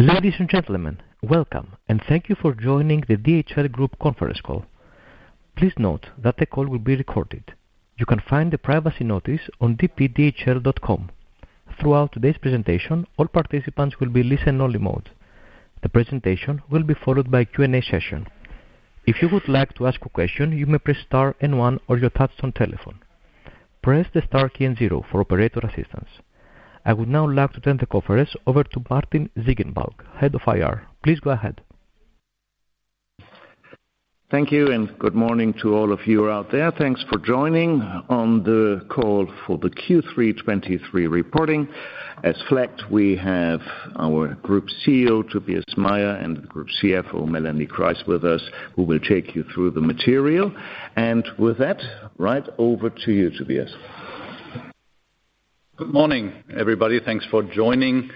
Ladies and gentlemen, welcome, and thank you for joining the DHL Group conference call. Please note that the call will be recorded. You can find the privacy notice on dpdhl.com. Throughout today's presentation, all participants will be in listen-only mode. The presentation will be followed by a Q&A session. If you would like to ask a question, you may press star and one on your touch-tone telephone. Press the star key and zero for operator assistance. I would now like to turn the conference over to Martin Ziegenbalg, Head of IR. Please go ahead. Thank you, and good morning to all of you out there. Thanks for joining on the call for the Q3 2023 reporting. As flagged, we have our Group CEO, Tobias Meyer, and the Group CFO, Melanie Kreis, with us, who will take you through the material. With that, right over to you, Tobias. Good morning, everybody. Thanks for joining.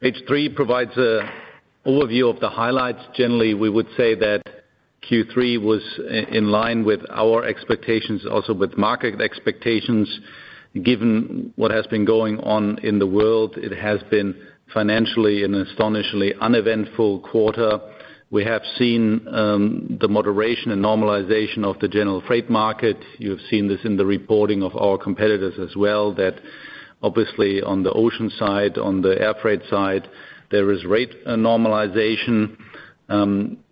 Page three provides an overview of the highlights. Generally, we would say that Q3 was in line with our expectations, also with market expectations. Given what has been going on in the world, it has been financially an astonishingly uneventful quarter. We have seen the moderation and normalization of the general freight market. You have seen this in the reporting of our competitors as well, that obviously on the ocean side, on the air freight side, there is rate normalization.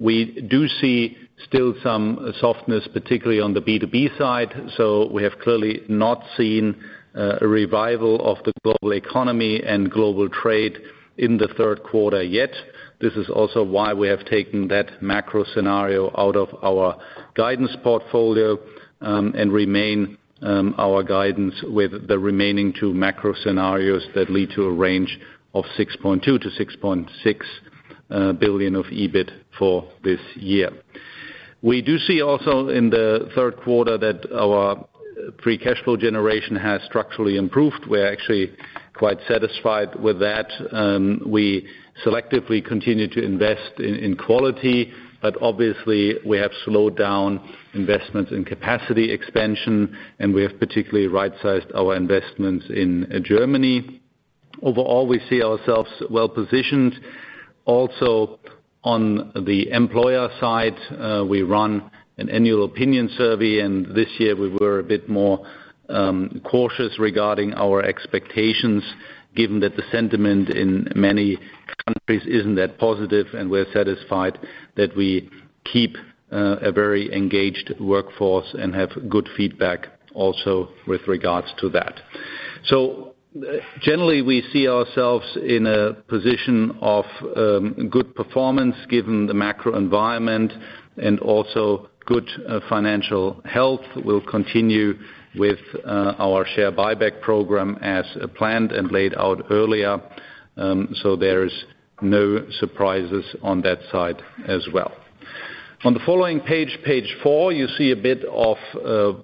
We do see still some softness, particularly on the B2B side, so we have clearly not seen a revival of the global economy and global trade in the Q3 yet. This is also why we have taken that macro scenario out of our guidance portfolio, and remain our guidance with the remaining two macro scenarios that lead to a range of 6.2-6.6 billion of EBIT for this year. We do see also in the Q3 that our free cash flow generation has structurally improved. We're actually quite satisfied with that. We selectively continue to invest in, in quality, but obviously we have slowed down investments in capacity expansion, and we have particularly right-sized our investments in Germany. Overall, we see ourselves well-positioned. Also, on the employer side, we run an annual opinion survey, and this year we were a bit more cautious regarding our expectations, given that the sentiment in many countries isn't that positive, and we're satisfied that we keep a very engaged workforce and have good feedback also with regards to that. So, generally, we see ourselves in a position of good performance, given the macro environment and also good financial health. We'll continue with our share buyback program as planned and laid out earlier, so there's no surprises on that side as well. On the following page, page 4, you see a bit of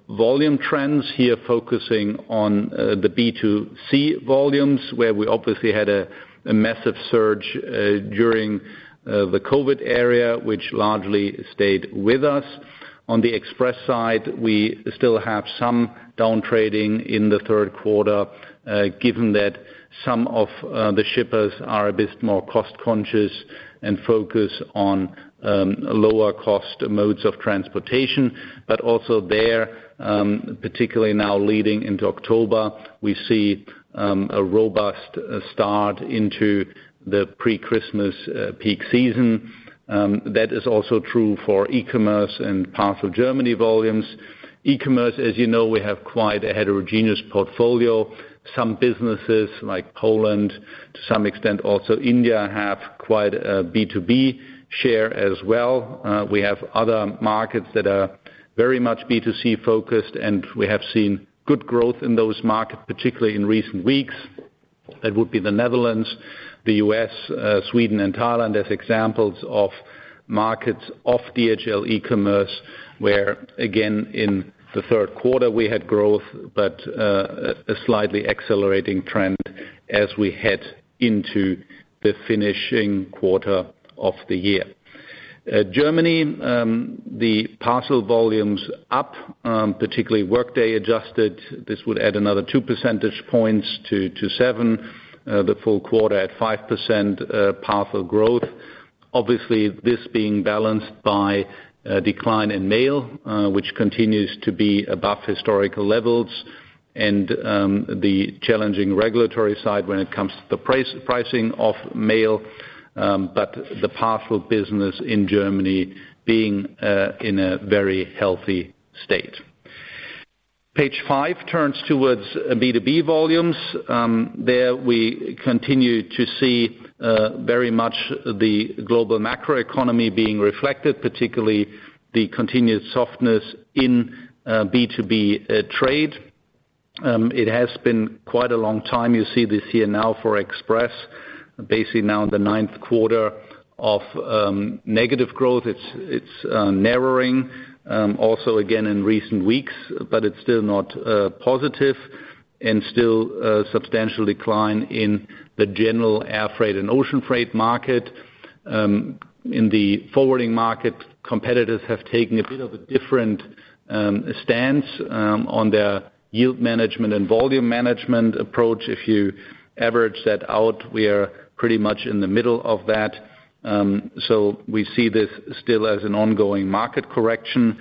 volume trends here focusing on the B2C volumes, where we obviously had a massive surge during the COVID era, which largely stayed with us. On the Express side, we still have some downtrading in the Q3, given that some of the shippers are a bit more cost-conscious and focused on lower-cost modes of transportation. But also there, particularly now leading into October, we see a robust start into the pre-Christmas peak season. That is also true for eCommerce and parcel Germany volumes. eCommerce, as you know, we have quite a heterogeneous portfolio. Some businesses, like Poland, to some extent also India, have quite a B2B share as well. We have other markets that are very much B2C-focused, and we have seen good growth in those markets, particularly in recent weeks. That would be the Netherlands, the U.S., Sweden, and Thailand, as examples of markets of DHL eCommerce, where, again, in the Q3, we had growth, but a slightly accelerating trend as we head into the finishing quarter of the year. Germany, the parcel volume's up, particularly workday adjusted. This would add another two percentage points to 7, the full quarter at 5% parcel growth. Obviously, this being balanced by a decline in mail, which continues to be above historical levels and the challenging regulatory side when it comes to the pricing of mail, but the parcel business in Germany being in a very healthy state. Page 5 turns towards B2B volumes. There we continue to see very much the global macroeconomy being reflected, particularly the continued softness in B2B trade. It has been quite a long time. You see this here now for Express, basically now in the ninth quarter of negative growth. It's narrowing, also again in recent weeks, but it's still not positive and still a substantial decline in the general air freight and ocean freight market. In the forwarding market, competitors have taken a bit of a different stance on their yield management and volume management approach. If you average that out, we are pretty much in the middle of that. So we see this still as an ongoing market correction,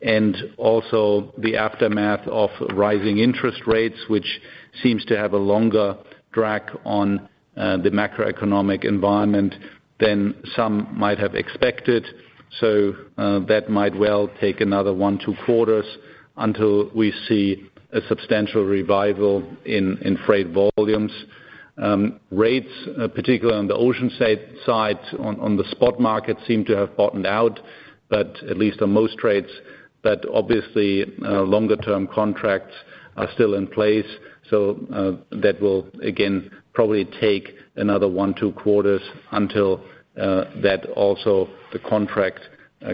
and also the aftermath of rising interest rates, which seems to have a longer drag on the macroeconomic environment than some might have expected. So that might well take another one, two quarters until we see a substantial revival in freight volumes. Rates, particularly on the ocean side, on the spot market, seem to have bottomed out, but at least on most trades. But obviously, longer-term contracts are still in place, so that will, again, probably take another 1-2 quarters until that also the contract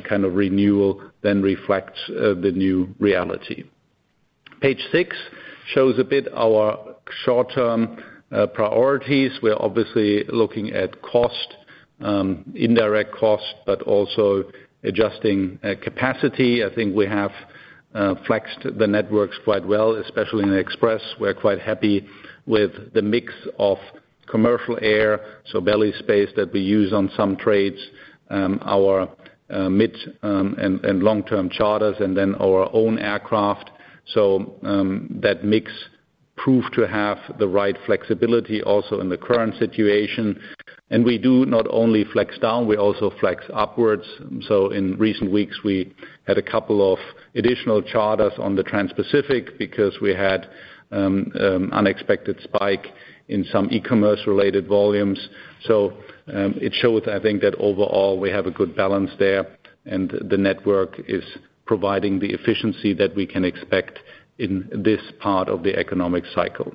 kind of renewal then reflects the new reality. Page 6 shows a bit our short-term priorities. We're obviously looking at cost, indirect cost, but also adjusting capacity. I think we have flexed the networks quite well, especially in the Express. We're quite happy with the mix of commercial air, so belly space that we use on some trades, our mid- and long-term charters, and then our own aircraft. So, that mix proved to have the right flexibility also in the current situation. We do not only flex down, we also flex upwards. So in recent weeks, we had a couple of additional charters on the Transpacific because we had unexpected spike in some eCommerce-related volumes. So it showed, I think, that overall, we have a good balance there, and the network is providing the efficiency that we can expect in this part of the economic cycle.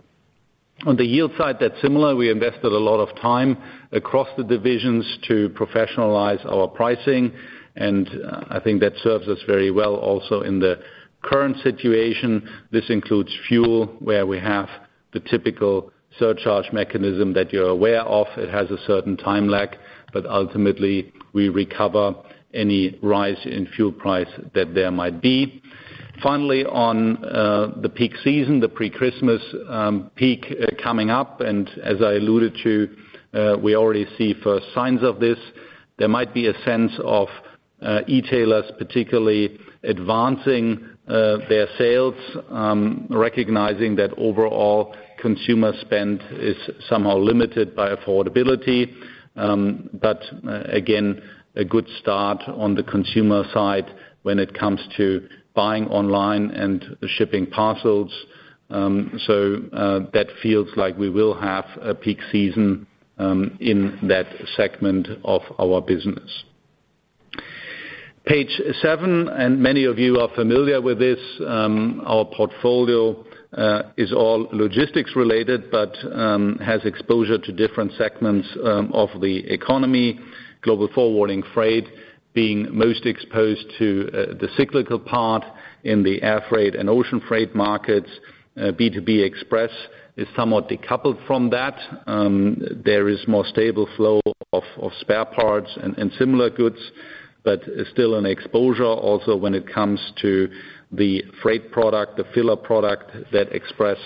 On the yield side, that's similar. We invested a lot of time across the divisions to professionalize our pricing, and I think that serves us very well also in the current situation. This includes fuel, where we have the typical surcharge mechanism that you're aware of. It has a certain time lag, but ultimately, we recover any rise in fuel price that there might be. Finally, on the peak season, the pre-Christmas peak coming up, and as I alluded to, we already see first signs of this. There might be a sense of e-tailers, particularly advancing their sales, recognizing that overall consumer spend is somehow limited by affordability. But again, a good start on the consumer side when it comes to buying online and shipping parcels. So that feels like we will have a peak season in that segment of our business. Page seven, and many of you are familiar with this, our portfolio is all logistics-related, but has exposure to different segments of the economy. Global Forwarding Freight being most exposed to the cyclical part in the air freight and ocean freight markets. B2B Express is somewhat decoupled from that. There is more stable flow of spare parts and similar goods, but still an exposure also when it comes to the freight product, the filler product that Express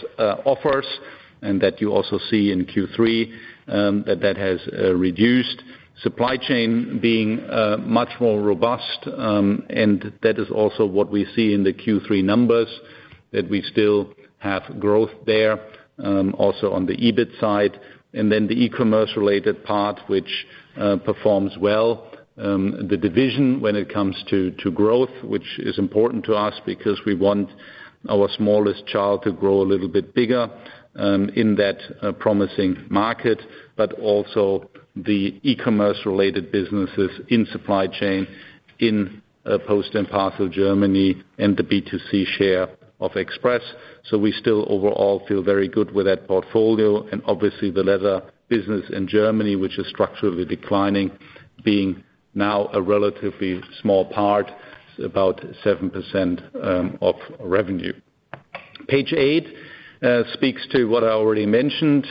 offers, and that you also see in Q3, that has reduced. Supply Chain being much more robust, and that is also what we see in the Q3 numbers, that we still have growth there, also on the EBIT side. And then the eCommerce-related part, which performs well. The division when it comes to growth, which is important to us because we want our smallest child to grow a little bit bigger, in that promising market, but also the eCommerce-related businesses in Supply Chain, in Post and Parcel Germany and the B2C share of Express. So we still overall feel very good with that portfolio, and obviously, the letter business in Germany, which is structurally declining, being now a relatively small part, about 7%, of revenue. Page eight speaks to what I already mentioned.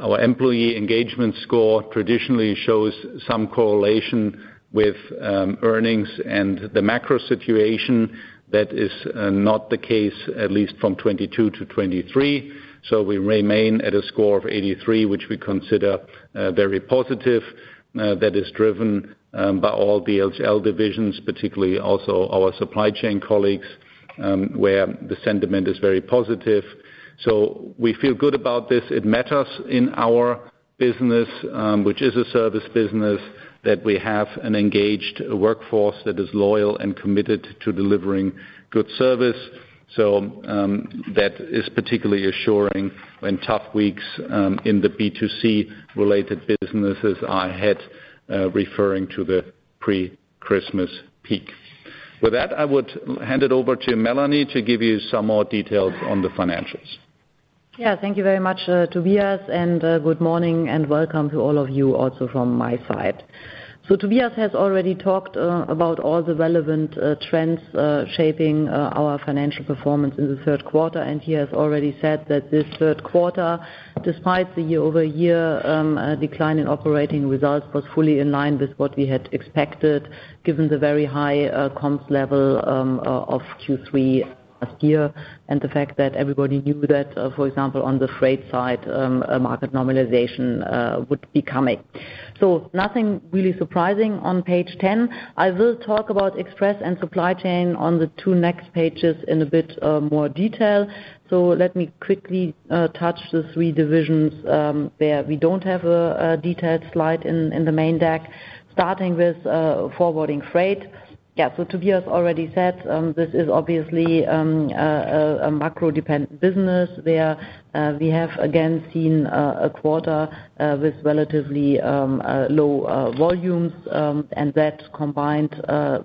Our employee engagement score traditionally shows some correlation with earnings and the macro situation. That is not the case, at least from 2022 to 2023. So we remain at a score of 83, which we consider very positive. That is driven by all DHL divisions, particularly also our Supply Chain colleagues, where the sentiment is very positive. So we feel good about this. It matters in our business, which is a service business, that we have an engaged workforce that is loyal and committed to delivering good service. So, that is particularly assuring in tough weeks, in the B2C-related businesses I had, referring to the pre-Christmas peak. With that, I would hand it over to Melanie to give you some more details on the financials. Yeah, thank you very much, Tobias, and good morning, and welcome to all of you also from my side. So Tobias has already talked about all the relevant trends shaping our financial performance in the Q3, and he has already said that this Q3, despite the year-over-year decline in operating results, was fully in line with what we had expected, given the very high comps level of Q3 last year, and the fact that everybody knew that, for example, on the freight side, a market normalization would be coming. So nothing really surprising on page 10. I will talk about Express and Supply Chain on the two next pages in a bit more detail. So let me quickly touch the three divisions, where we don't have a detailed slide in the main deck, starting with Forwarding Freight. Yeah, so Tobias already said, this is obviously a macro-dependent business, where we have again seen a quarter with relatively low volumes, and that combined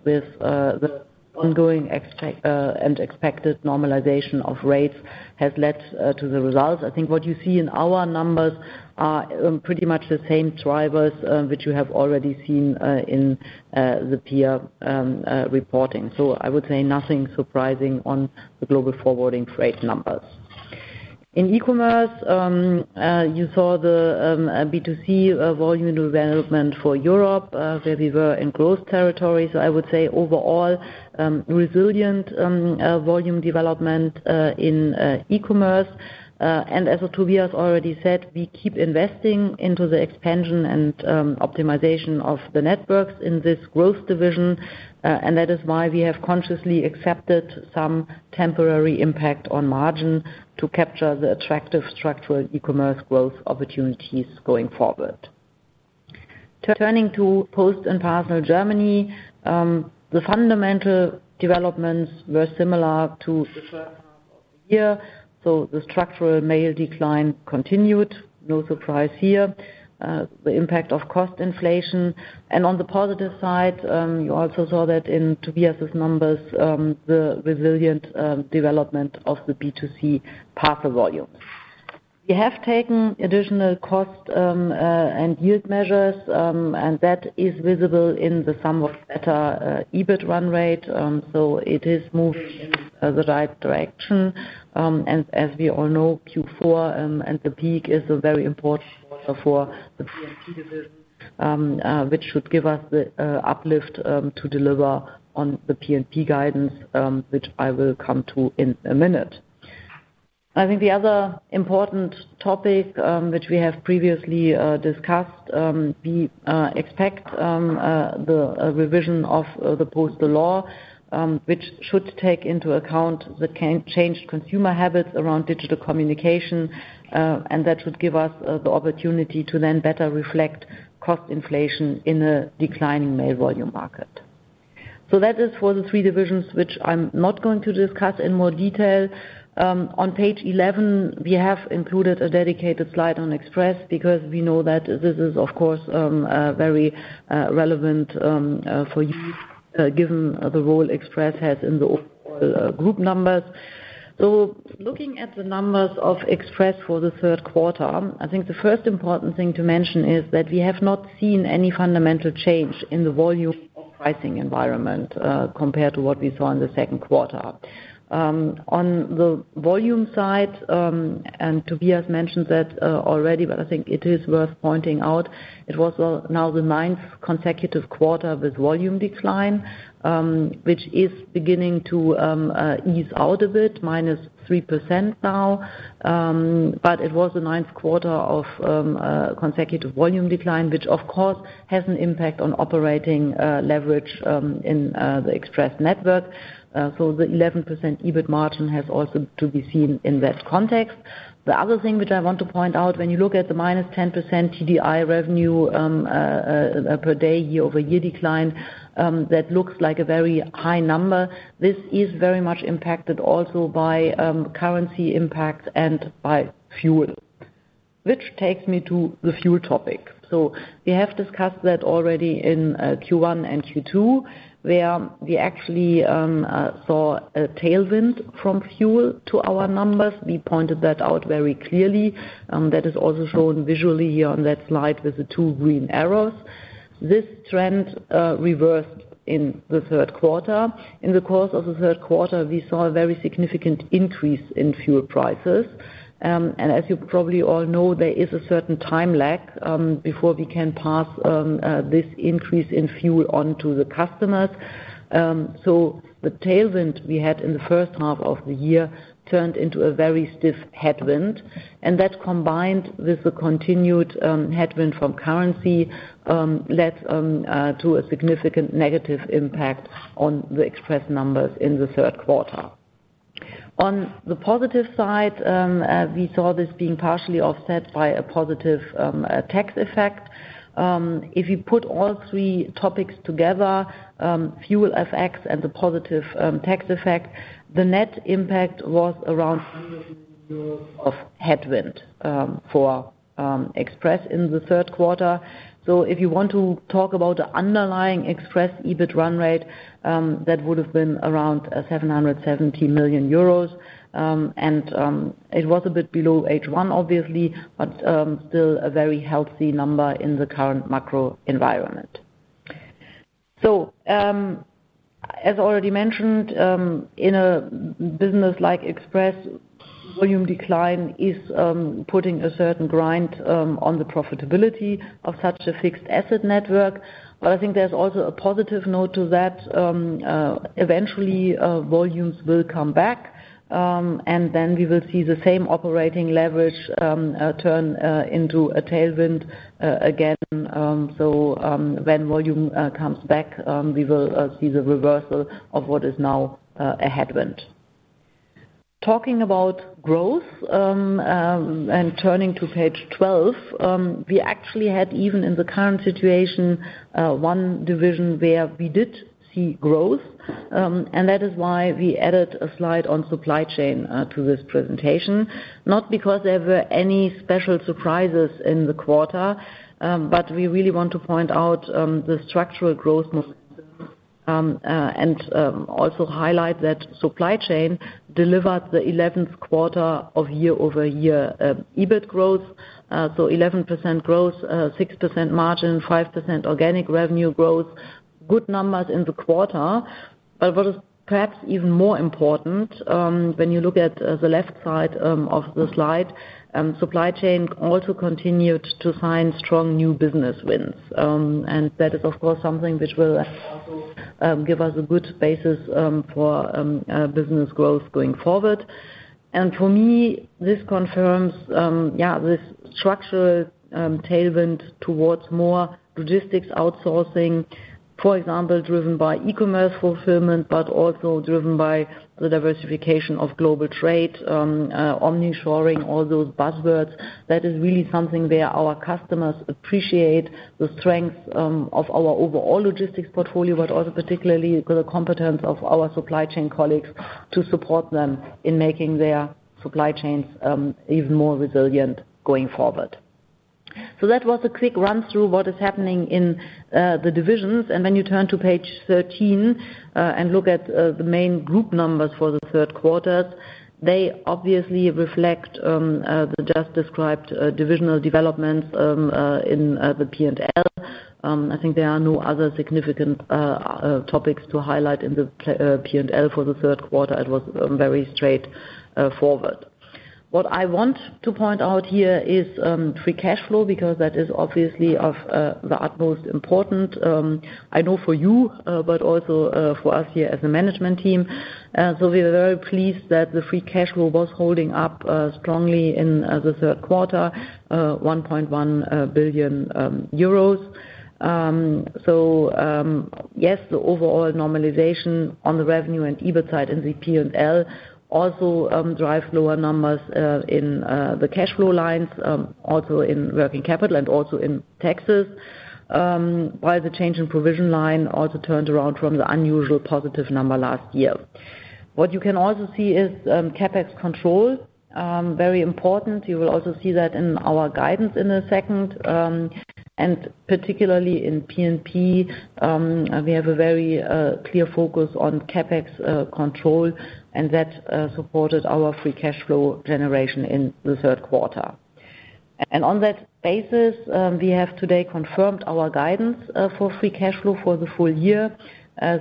with the ongoing and expected normalization of rates has led to the results. I think what you see in our numbers are pretty much the same drivers, which you have already seen in the peer reporting. So I would say nothing surprising on the Global Forwarding Freight numbers. In eCommerce, you saw the B2C volume development for Europe, where we were in growth territories. I would say overall, resilient volume development in eCommerce. And as Tobias already said, we keep investing into the expansion and optimization of the networks in this growth division, and that is why we have consciously accepted some temporary impact on margin to capture the attractive structural eCommerce growth opportunities going forward. Turning to Post and Parcel Germany, the fundamental developments were similar to the H1 of the year, so the structural mail decline continued, no surprise here. The impact of cost inflation, and on the positive side, you also saw that in Tobias's numbers, the resilient development of the B2C parcel volume. We have taken additional cost and yield measures, and that is visible in the somewhat better EBIT run rate, so it is moving in the right direction. And as we all know, Q4 and the peak is a very important quarter for the P&P division, which should give us the uplift to deliver on the P&P guidance, which I will come to in a minute. I think the other important topic, which we have previously discussed, we expect the revision of the postal law, which should take into account the changed consumer habits around digital communication, and that should give us the opportunity to then better reflect cost inflation in a declining mail volume market. So that is for the three divisions, which I'm not going to discuss in more detail. On page 11, we have included a dedicated slide on Express, because we know that this is, of course, very relevant for you, given the role Express has in the overall group numbers. So looking at the numbers of Express for the Q3, I think the first important thing to mention is that we have not seen any fundamental change in the volume of pricing environment, compared to what we saw in the second quarter. On the volume side, and Tobias mentioned that already, but I think it is worth pointing out, it was, well, now the ninth consecutive quarter with volume decline, which is beginning to ease out a bit, minus 3% now. But it was the ninth quarter of consecutive volume decline, which, of course, has an impact on operating leverage in the Express network. So the 11% EBIT margin has also to be seen in that context. The other thing which I want to point out, when you look at the -10% TDI revenue per day, year-over-year decline, that looks like a very high number. This is very much impacted also by currency impact and by fuel, which takes me to the fuel topic. So we have discussed that already in Q1 and Q2, where we actually saw a tailwind from fuel to our numbers. We pointed that out very clearly. That is also shown visually here on that slide with the two green arrows. This trend reversed in the Q3. In the course of the Q3, we saw a very significant increase in fuel prices. As you probably all know, there is a certain time lag before we can pass this increase in fuel on to the customers. The tailwind we had in the H1 of the year turned into a very stiff headwind, and that, combined with the continued headwind from currency, led to a significant negative impact on the Express numbers in the Q3. On the positive side, we saw this being partially offset by a positive tax effect. If you put all three topics together, fuel effects and the positive tax effect, the net impact was around EUR 100 million of headwind for Express in the Q3. So if you want to talk about the underlying Express EBIT run rate, that would have been around 770 million euros. And it was a bit below H1, obviously, but still a very healthy number in the current macro environment. So, as already mentioned, in a business like Express, volume decline is putting a certain grind on the profitability of such a fixed asset network. But I think there's also a positive note to that, eventually volumes will come back, and then we will see the same operating leverage turn into a tailwind again. So, when volume comes back, we will see the reversal of what is now a headwind. Talking about growth, and turning to page 12, we actually had, even in the current situation, one division where we did see growth. That is why we added a slide on Supply Chain to this presentation. Not because there were any special surprises in the quarter, but we really want to point out the structural growth momentum, and also highlight that Supply Chain delivered the 11th quarter of year-over-year EBIT growth. So, 11% growth, 6% margin, 5% organic revenue growth, good numbers in the quarter. But what is perhaps even more important, when you look at the left side of the slide, Supply Chain also continued to sign strong new business wins. And that is, of course, something which will also give us a good basis for business growth going forward. And for me, this confirms, yeah, this structural tailwind towards more logistics outsourcing, for example, driven by eCommerce fulfillment, but also driven by the diversification of global trade, omnishoring, all those buzzwords. That is really something where our customers appreciate the strength of our overall logistics portfolio, but also particularly the competence of our Supply Chain colleagues to support them in making their Supply Chains even more resilient going forward. So that was a quick run through what is happening in the divisions. When you turn to page 13, and look at the main group numbers for the Q3, they obviously reflect the just described divisional developments in the P&L. I think there are no other significant topics to highlight in the P&L for the Q3. It was very straightforward. What I want to point out here is free cash flow, because that is obviously of the utmost important, I know for you, but also for us here as a management team. So we are very pleased that the free cash flow was holding up strongly in the Q3, 1.1 billion euros. So, yes, the overall normalization on the revenue and EBIT side in the P&L also drive lower numbers in the cash flow lines, also in working capital and also in taxes. While the change in provision line also turned around from the unusual positive number last year. What you can also see is CapEx control, very important. You will also see that in our guidance in a second. And particularly in P&P, we have a very clear focus on CapEx control, and that supported our free cash flow generation in the Q3. And on that basis, we have today confirmed our guidance for free cash flow for the full year,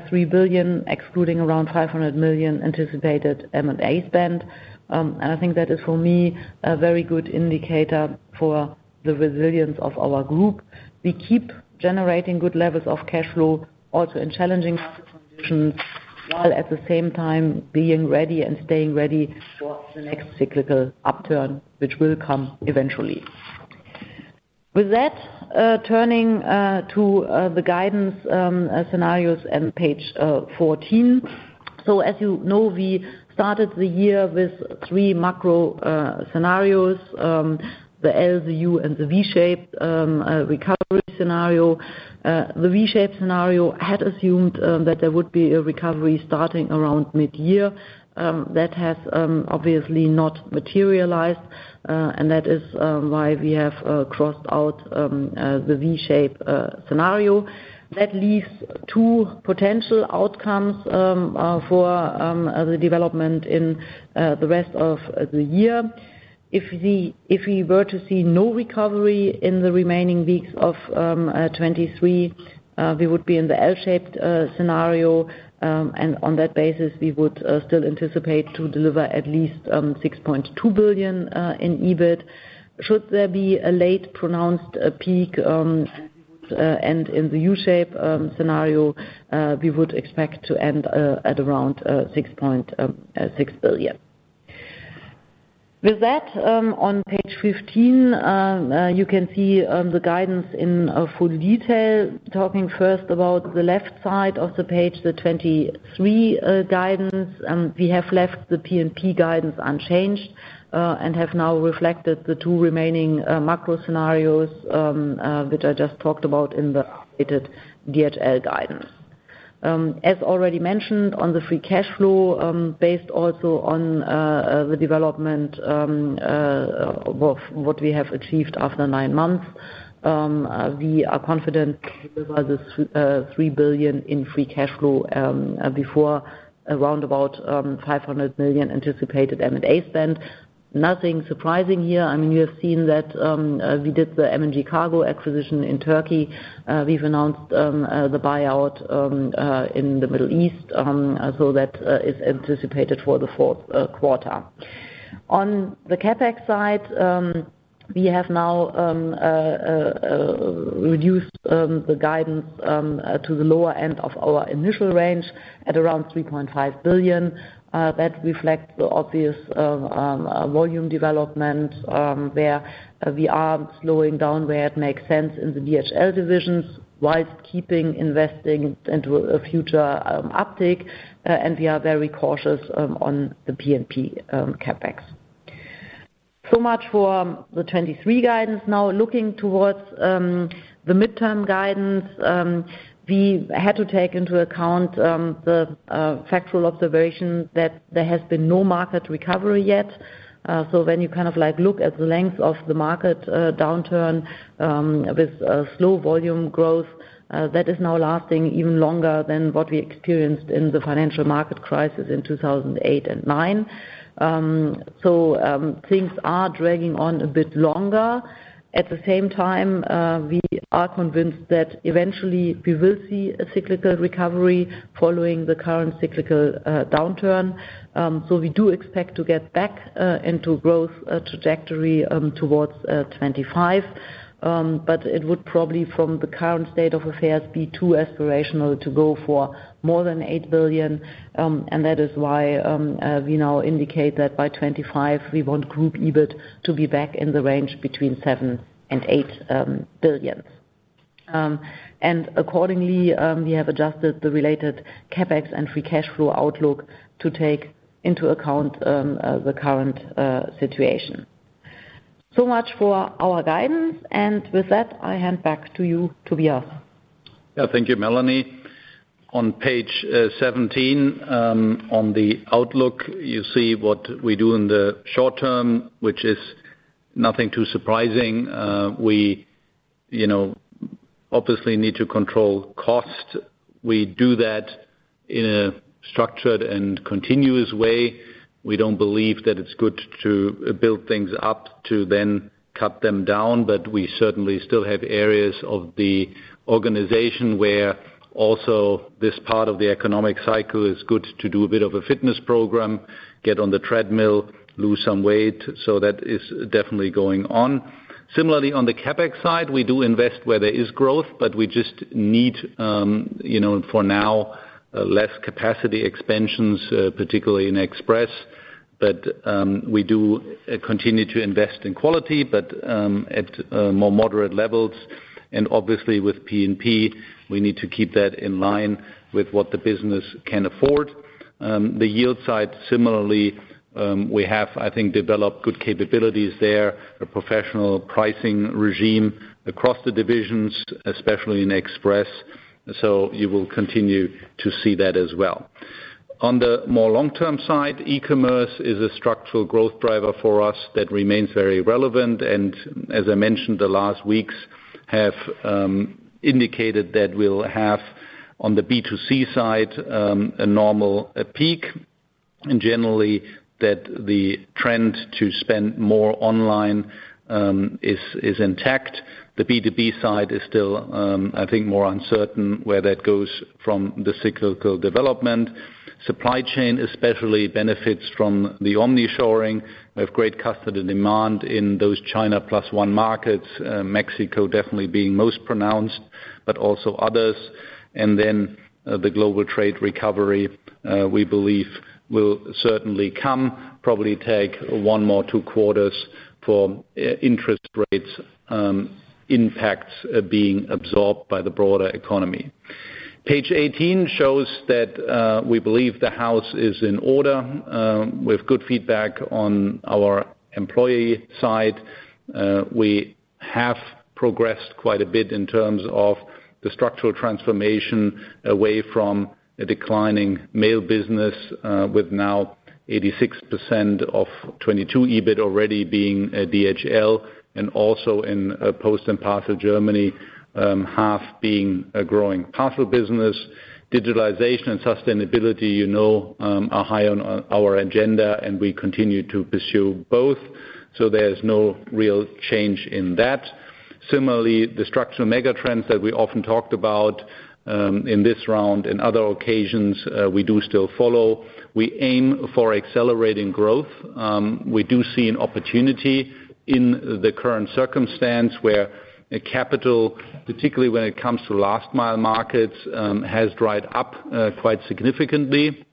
3 billion, excluding around 500 million anticipated M&A spend. I think that is, for me, a very good indicator for the resilience of our group. We keep generating good levels of cash flow, also in challenging market conditions, while at the same time being ready and staying ready for the next cyclical upturn, which will come eventually. With that, turning to the guidance scenarios on page 14. So as you know, we started the year with three macro scenarios, the L-shaped, the U-shaped, and the V-shaped recovery scenario. The V-shaped scenario had assumed that there would be a recovery starting around mid-year. That has obviously not materialized, and that is why we have crossed out the V-shaped scenario. That leaves two potential outcomes for the development in the rest of the year. If we were to see no recovery in the remaining weeks of 2023, we would be in the L-shaped scenario, and on that basis, we would still anticipate to deliver at least 6.2 billion in EBIT. Should there be a late pronounced peak, and in the U-shape scenario, we would expect to end at around 6.6 billion. With that, on page 15, you can see the guidance in full detail. Talking first about the left side of the page, the 2023 guidance. We have left the P&P guidance unchanged, and have now reflected the two remaining macro scenarios, which I just talked about in the updated DHL guidance. As already mentioned, on the free cash flow, based also on the development of what we have achieved after nine months, we are confident to deliver this 3 billion in free cash flow before around about 500 million anticipated M&A spend. Nothing surprising here. I mean, you have seen that we did the MNG Kargo acquisition in Turkey. We've announced the buyout in the Middle East, so that is anticipated for the Q4. On the CapEx side, we have now reduced the guidance to the lower end of our initial range at around 3.5 billion. That reflects the obvious, volume development, where we are slowing down, where it makes sense in the DHL divisions, while keeping investing into a future, uptick. And we are very cautious, on the P&P, CapEx. So much for the 2023 guidance. Now, looking towards, the midterm guidance, we had to take into account, the, factual observation that there has been no market recovery yet. So when you kind of like, look at the length of the market, downturn, with, slow volume growth, that is now lasting even longer than what we experienced in the financial market crisis in 2008 and 2009. So, things are dragging on a bit longer. At the same time, we are convinced that eventually we will see a cyclical recovery following the current cyclical downturn. So we do expect to get back into growth trajectory towards 2025. But it would probably, from the current state of affairs, be too aspirational to go for more than 8 billion. And that is why we now indicate that by 2025, we want group EBIT to be back in the range between 7 billion and 8 billion. And accordingly, we have adjusted the related CapEx and free cash flow outlook to take into account the current situation. So much for our guidance, and with that, I hand back to you, Tobias. Yeah, thank you, Melanie. On page 17, on the outlook, you see what we do in the short term, which is nothing too surprising. We, you know, obviously need to control cost. We do that in a structured and continuous way. We don't believe that it's good to build things up, to then cut them down, but we certainly still have areas of the organization where also this part of the economic cycle is good to do a bit of a fitness program, get on the treadmill, lose some weight, so that is definitely going on. Similarly, on the CapEx side, we do invest where there is growth, but we just need, you know, for now, less capacity expansions, particularly in Express. But we do continue to invest in quality, but at more moderate levels, and obviously with P&P, we need to keep that in line with what the business can afford. The yield side, similarly, we have, I think, developed good capabilities there, a professional pricing regime across the divisions, especially in Express, so you will continue to see that as well. On the more long-term side, eCommerce is a structural growth driver for us that remains very relevant. And as I mentioned, the last weeks have indicated that we'll have, on the B2C side, a normal peak, and generally, that the trend to spend more online is intact. The B2B side is still, I think, more uncertain where that goes from the cyclical development. Supply Chain, especially, benefits from the omnishoring. We have great customer demand in those China Plus One markets, Mexico definitely being most pronounced, but also others. Then, the global trade recovery, we believe will certainly come, probably take one more, two quarters for interest rates impacts being absorbed by the broader economy. Page 18 shows that, we believe the house is in order, with good feedback on our employee side. We have progressed quite a bit in terms of the structural transformation away from a declining mail business, with now 86% of 2022 EBIT already being DHL, and also in Post & Parcel Germany, half being a growing parcel business. Digitalization and sustainability, you know, are high on our agenda, and we continue to pursue both, so there's no real change in that. Similarly, the structural mega trends that we often talked about, in this round and other occasions, we do still follow. We aim for accelerating growth. We do see an opportunity in the current circumstance where a capital, particularly when it comes to last mile markets, has dried up, quite significantly.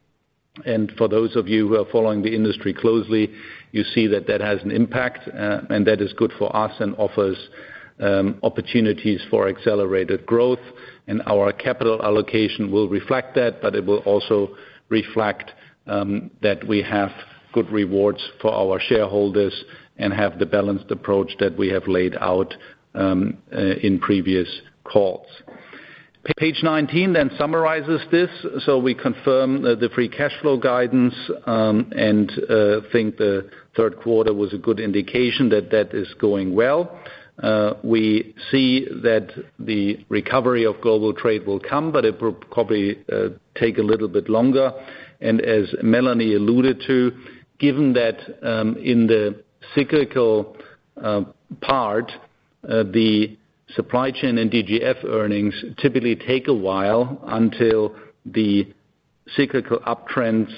And for those of you who are following the industry closely, you see that that has an impact, and that is good for us and offers, opportunities for accelerated growth, and our capital allocation will reflect that, but it will also reflect, that we have good rewards for our shareholders and have the balanced approach that we have laid out, in previous calls. Page 19 then summarizes this. So we confirm the free cash flow guidance, and think the Q3 was a good indication that that is going well. We see that the recovery of global trade will come, but it will probably take a little bit longer. And as Melanie alluded to, given that, in the cyclical, the Supply Chain and DGF earnings typically take a while until the cyclical uptrends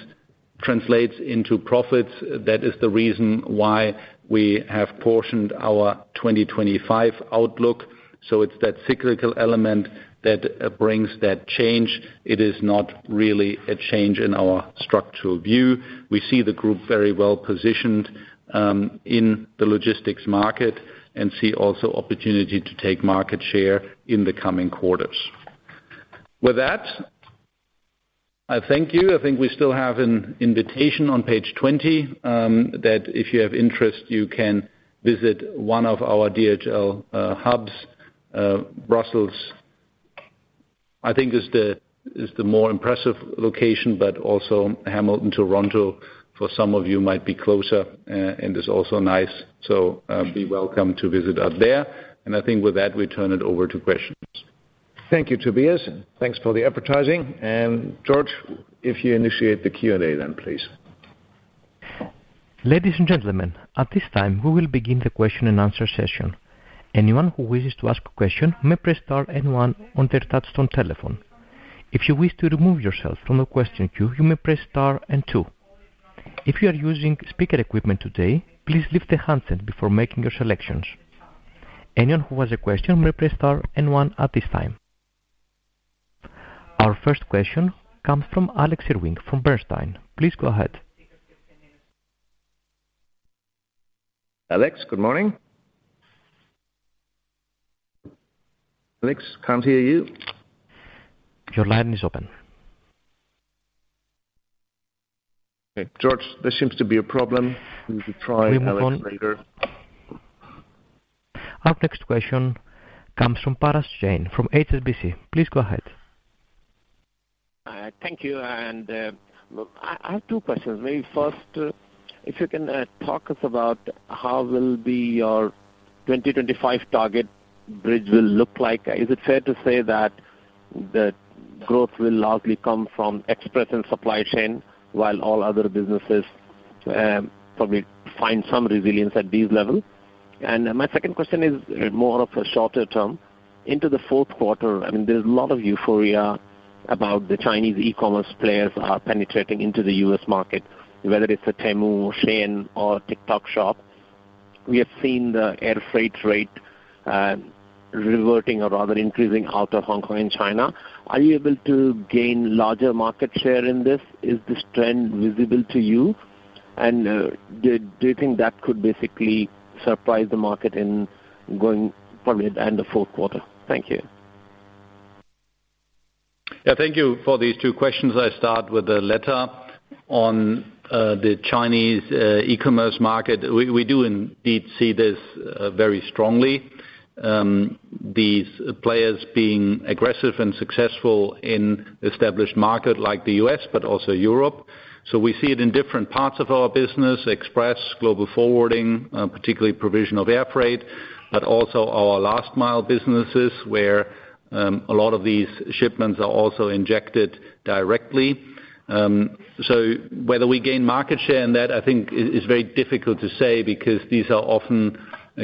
translates into profits. That is the reason why we have postponed our 2025 outlook. So it's that cyclical element that brings that change. It is not really a change in our structural view. We see the group very well positioned, in the logistics market and see also opportunity to take market share in the coming quarters. With that, I thank you. I think we still have an invitation on page 20, that if you have interest, you can visit one of our DHL hubs. Brussels, I think, is the more impressive location, but also Hamilton, Toronto, for some of you might be closer, and is also nice. So, be welcome to visit us there. And I think with that, we turn it over to questions. Thank you, Tobias. Thanks for the advertising. George, if you initiate the Q&A, then please. Ladies and gentlemen, at this time, we will begin the question and answer session. Anyone who wishes to ask a question may press star and one on their touchtone telephone. If you wish to remove yourself from the question queue, you may press star and two. If you are using speaker equipment today, please leave the handset before making your selections. Anyone who has a question may press star and one at this time. Our first question comes from Alex Irving from Bernstein. Please go ahead. Alex, good morning. Alex, can't hear you. Your line is open. George, there seems to be a problem. We could try Alex later. Our next question comes from Parash Jain, from HSBC. Please go ahead. Thank you. I have two questions. Maybe first, if you can talk us about how will be your 2025 target bridge will look like? Is it fair to say that the growth will largely come from Express and Supply Chain, while all other businesses probably find some resilience at these levels? And my second question is more of a shorter term. Into the Q4, I mean, there's a lot of euphoria about the Chinese eCommerce players are penetrating into the U.S. market, whether it's Temu, Shein, or TikTok Shop. We have seen the air freight rate reverting or rather, increasing out of Hong Kong and China. Are you able to gain larger market share in this? Is this trend visible to you? Do you think that could basically surprise the market in going probably at the end of Q4? Thank you. Yeah. Thank you for these two questions. I start with the latter. On the Chinese eCommerce market, we do indeed see this very strongly, these players being aggressive and successful in established market like the US, but also Europe. So we see it in different parts of our business, express, Global Forwarding, particularly provision of air freight, but also our last mile businesses, where a lot of these shipments are also injected directly. So whether we gain market share in that, I think is very difficult to say, because these are often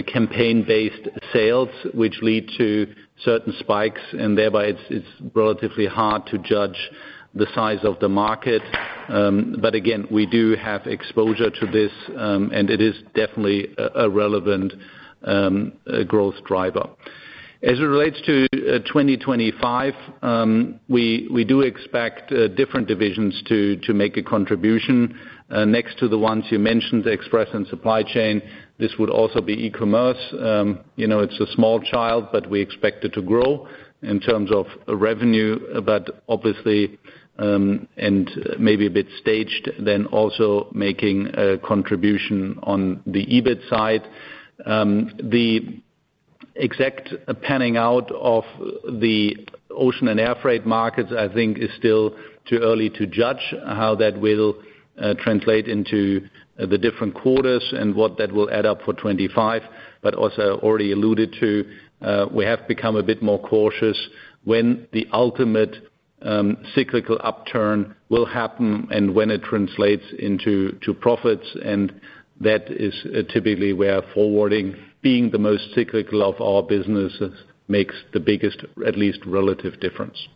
campaign-based sales, which lead to certain spikes, and thereby it's relatively hard to judge the size of the market. But again, we do have exposure to this, and it is definitely a relevant growth driver. As it relates to 2025, we do expect different divisions to make a contribution. Next to the ones you mentioned, the Express and Supply Chain, this would also be eCommerce. You know, it's a small child, but we expect it to grow in terms of revenue, but obviously, and maybe a bit staged, then also making a contribution on the EBIT side. The exact panning out of the ocean and air freight markets, I think, is still too early to judge how that will translate into the different quarters and what that will add up for 2025. But also I already alluded to, we have become a bit more cautious when the ultimate cyclical upturn will happen and when it translates into to profits, and that is typically where forwarding being the most cyclical of our businesses makes the biggest, at least relative difference.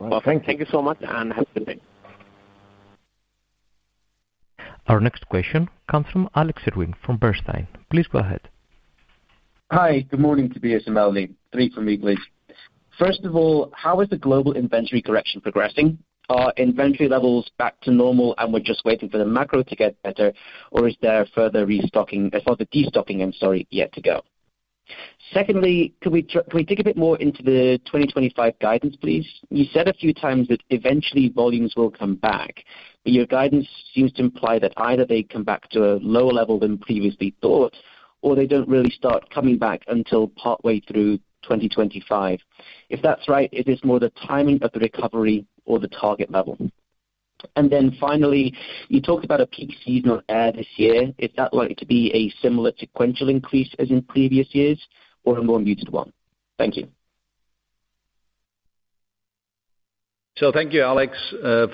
Well, thank you so much, and have a good day. Our next question comes from Alex Irving from Bernstein. Please go ahead. Hi, good morning, Tobias and Melanie. Three from me, please. First of all, how is the global inventory correction progressing? Are inventory levels back to normal and we're just waiting for the macro to get better, or is there further restocking, further destocking, I'm sorry, yet to go? Secondly, could we can we dig a bit more into the 2025 guidance, please? You said a few times that eventually volumes will come back, but your guidance seems to imply that either they come back to a lower level than previously thought, or they don't really start coming back until partway through 2025. If that's right, it is more the timing of the recovery or the target level. And then finally, you talked about a peak seasonal air this year. Is that likely to be a similar sequential increase as in previous years or a more muted one? Thank you. ... So thank you, Alex,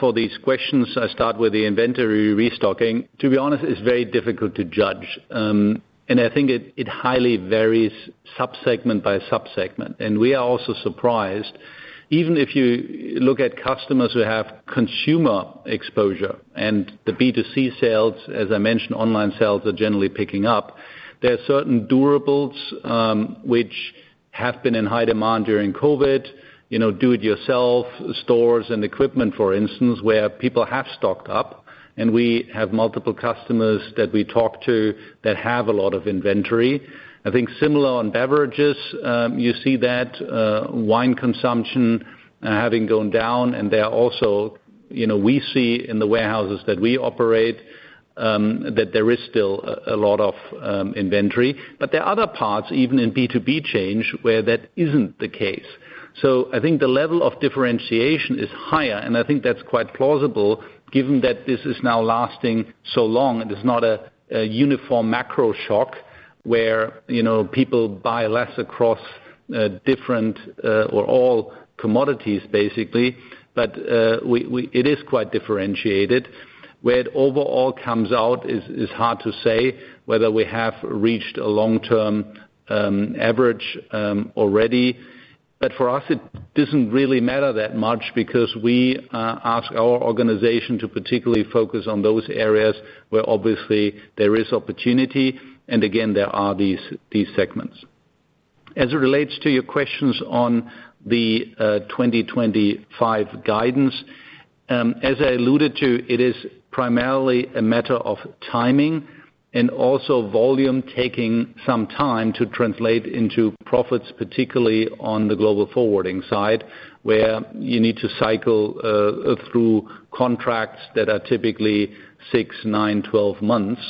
for these questions. I start with the inventory restocking. To be honest, it's very difficult to judge. And I think it highly varies sub-segment by sub-segment. And we are also surprised, even if you look at customers who have consumer exposure and the B2C sales, as I mentioned, online sales are generally picking up. There are certain durables, which have been in high demand during COVID, you know, do-it-yourself stores and equipment, for instance, where people have stocked up, and we have multiple customers that we talk to that have a lot of inventory. I think similar on beverages, you see that, wine consumption having gone down, and they are also, you know, we see in the warehouses that we operate, that there is still a lot of inventory. But there are other parts, even in B2B change, where that isn't the case. So I think the level of differentiation is higher, and I think that's quite plausible given that this is now lasting so long. It is not a uniform macro shock where, you know, people buy less across different or all commodities, basically. But it is quite differentiated. Where it overall comes out is hard to say whether we have reached a long-term average already. But for us, it doesn't really matter that much because we ask our organization to particularly focus on those areas where obviously there is opportunity. And again, there are these segments. As it relates to your questions on the 2025 guidance, as I alluded to, it is primarily a matter of timing and also volume taking some time to translate into profits, particularly on the Global Forwarding side, where you need to cycle through contracts that are typically 6, 9, 12 months.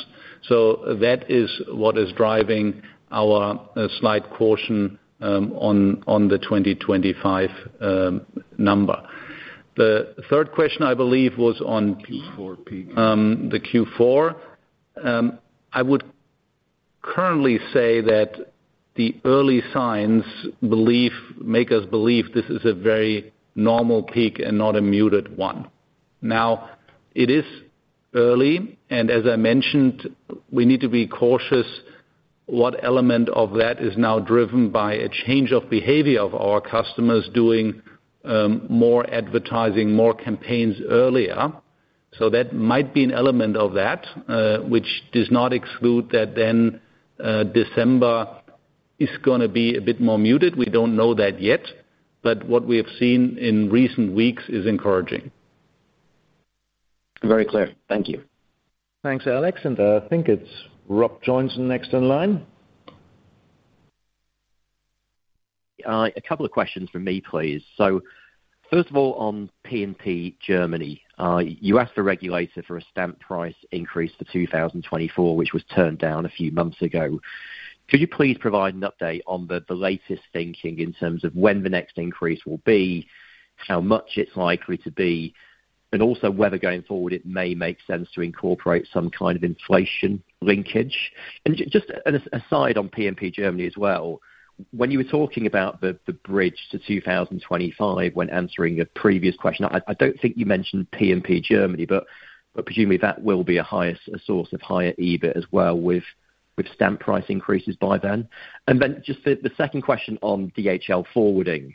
So that is what is driving our slight caution on the 2025 number. The third question, I believe, was on- Q4 peak. The Q4. I would currently say that the early signs make us believe this is a very normal peak and not a muted one. Now, it is early, and as I mentioned, we need to be cautious what element of that is now driven by a change of behavior of our customers doing more advertising, more campaigns earlier. So that might be an element of that, which does not exclude that then December is gonna be a bit more muted. We don't know that yet, but what we have seen in recent weeks is encouraging. Very clear. Thank you. Thanks, Alex, and I think it's Rob Joynson next in line. A couple of questions from me, please. So first of all, on P&P Germany, you asked the regulator for a stamp price increase for 2024, which was turned down a few months ago. Could you please provide an update on the latest thinking in terms of when the next increase will be, how much it's likely to be, and also whether going forward it may make sense to incorporate some kind of inflation linkage? And just an aside on P&P Germany as well, when you were talking about the bridge to 2025 when answering a previous question, I don't think you mentioned P&P Germany, but presumably that will be a source of higher EBIT as well, with stamp price increases by then. And then just the second question on DHL Forwarding.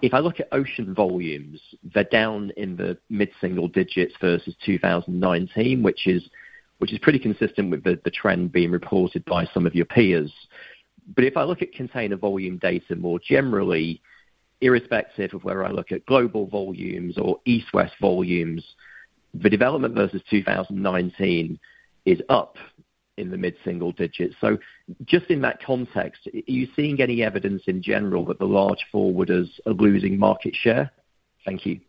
If I look at ocean volumes, they're down in the mid-single digits versus 2019, which is pretty consistent with the trend being reported by some of your peers. But if I look at container volume data more generally, irrespective of where I look at global volumes or East-West volumes, the development versus 2019 is up in the mid-single digits. So just in that context, are you seeing any evidence in general that the large forwarders are losing market share? Thank you.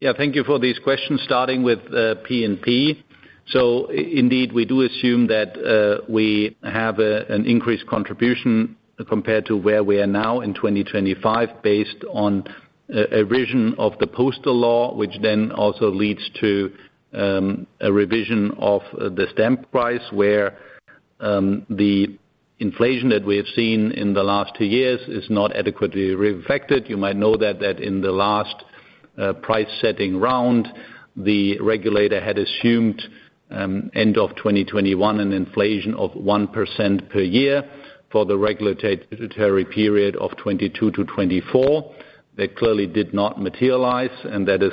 Yeah, thank you for these questions, starting with P&P. So indeed, we do assume that we have an increased contribution compared to where we are now in 2025, based on a revision of the postal law, which then also leads to a revision of the stamp price, where the inflation that we have seen in the last two years is not adequately reflected. You might know that in the last price-setting round, the regulator had assumed end of 2021, an inflation of 1% per year for the regulatory period of 2022-2024. That clearly did not materialize, and that is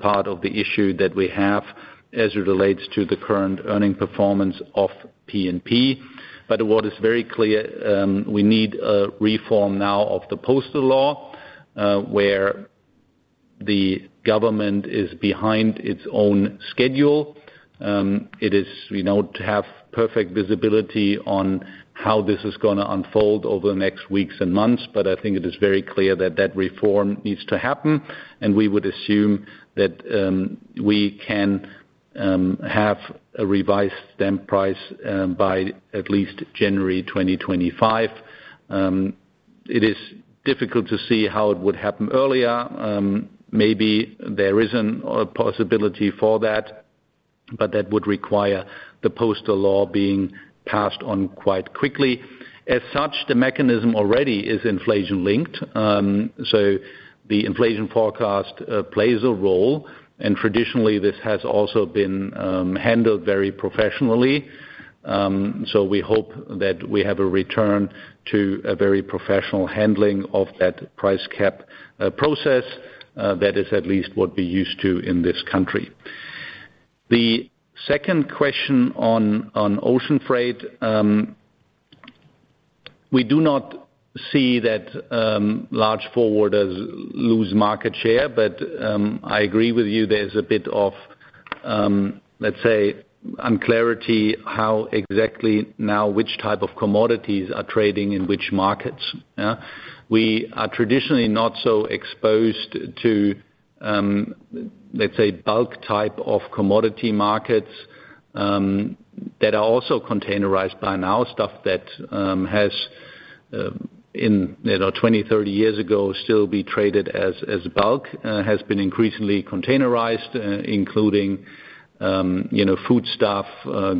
part of the issue that we have as it relates to the current earnings performance of P&P. But what is very clear, we need a reform now of the postal law, where the government is behind its own schedule. We don't have perfect visibility on how this is gonna unfold over the next weeks and months, but I think it is very clear that that reform needs to happen, and we would assume that we can have a revised stamp price by at least January 2025. It is difficult to see how it would happen earlier. Maybe there isn't a possibility for that. But that would require the postal law being passed on quite quickly. As such, the mechanism already is inflation-linked, so the inflation forecast plays a role, and traditionally, this has also been handled very professionally. So we hope that we have a return to a very professional handling of that price cap process, that is at least what we're used to in this country. The second question on ocean freight, we do not see that large forwarders lose market share, but I agree with you, there's a bit of, let's say, unclarity, how exactly now which type of commodities are trading in which markets, yeah? We are traditionally not so exposed to, let's say, bulk type of commodity markets, that are also containerized by now, stuff that has, in, you know, 20, 30 years ago, still be traded as bulk, has been increasingly containerized, including, you know, foodstuff,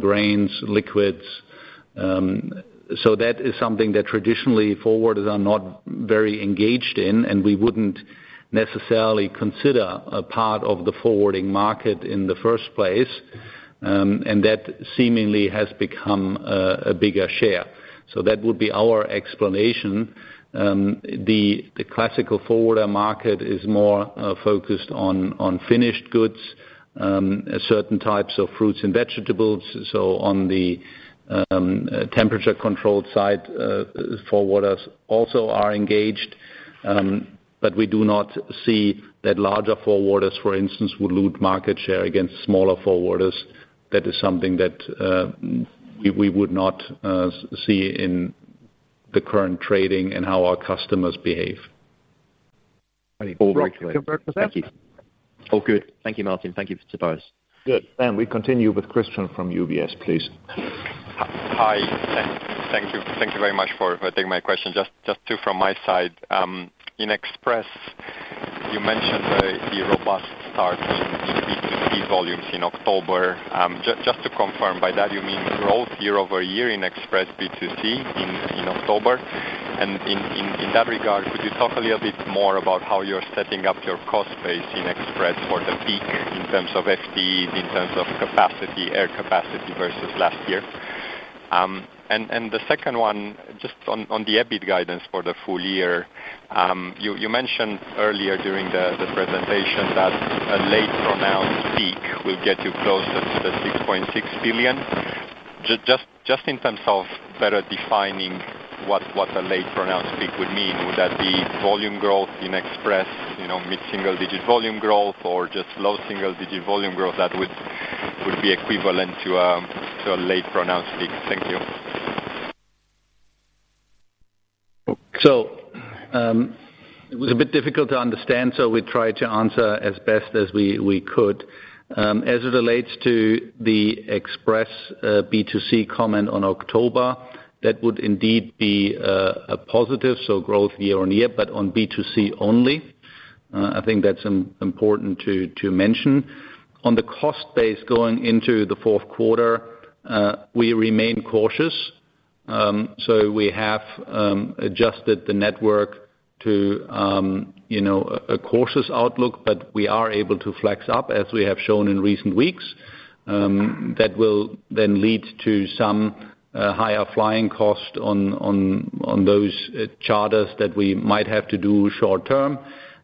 grains, liquids. So that is something that traditionally, forwarders are not very engaged in, and we wouldn't necessarily consider a part of the forwarding market in the first place. And that seemingly has become a bigger share. So that would be our explanation. The classical forwarder market is more focused on finished goods, certain types of fruits and vegetables. So on the temperature-controlled side, forwarders also are engaged, but we do not see that larger forwarders, for instance, would lose market share against smaller forwarders. That is something that we would not see in the current trading and how our customers behave. All right. Thank you. All good. Thank you, Martin. Thank you, Tobias. Good. We continue with Cristian from UBS, please. Hi. Thank you. Thank you very much for taking my question. Just two from my side. In Express, you mentioned the robust start in B2C volumes in October. Just to confirm, by that, you mean growth year-over-year in Express B2C in October? And in that regard, could you talk a little bit more about how you're setting up your cost base in Express for the peak in terms of FTEs, in terms of capacity, air capacity versus last year? And the second one, just on the EBIT guidance for the full year. You mentioned earlier during the presentation that a late pronounced peak will get you closer to the 6.6 billion. Just in terms of better defining what a late pronounced peak would mean, would that be volume growth in Express, you know, mid-single digit volume growth, or just low single digit volume growth that would be equivalent to a late pronounced peak? Thank you. So, it was a bit difficult to understand, so we tried to answer as best as we could. As it relates to the Express, B2C comment on October, that would indeed be a positive, so growth year on year, but on B2C only. I think that's important to mention. On the cost base going into the Q4, we remain cautious. So we have adjusted the network to, you know, a cautious outlook, but we are able to flex up as we have shown in recent weeks. That will then lead to some higher flying cost on those charters that we might have to do short term.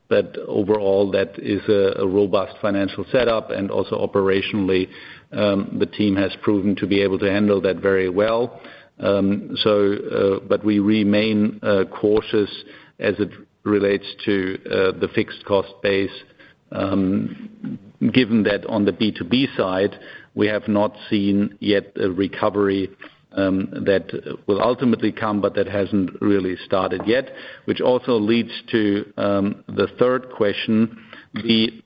But overall, that is a robust financial setup, and also operationally, the team has proven to be able to handle that very well. But we remain cautious as it relates to the fixed cost base, given that on the B2B side, we have not seen yet a recovery that will ultimately come, but that hasn't really started yet, which also leads to the third question. The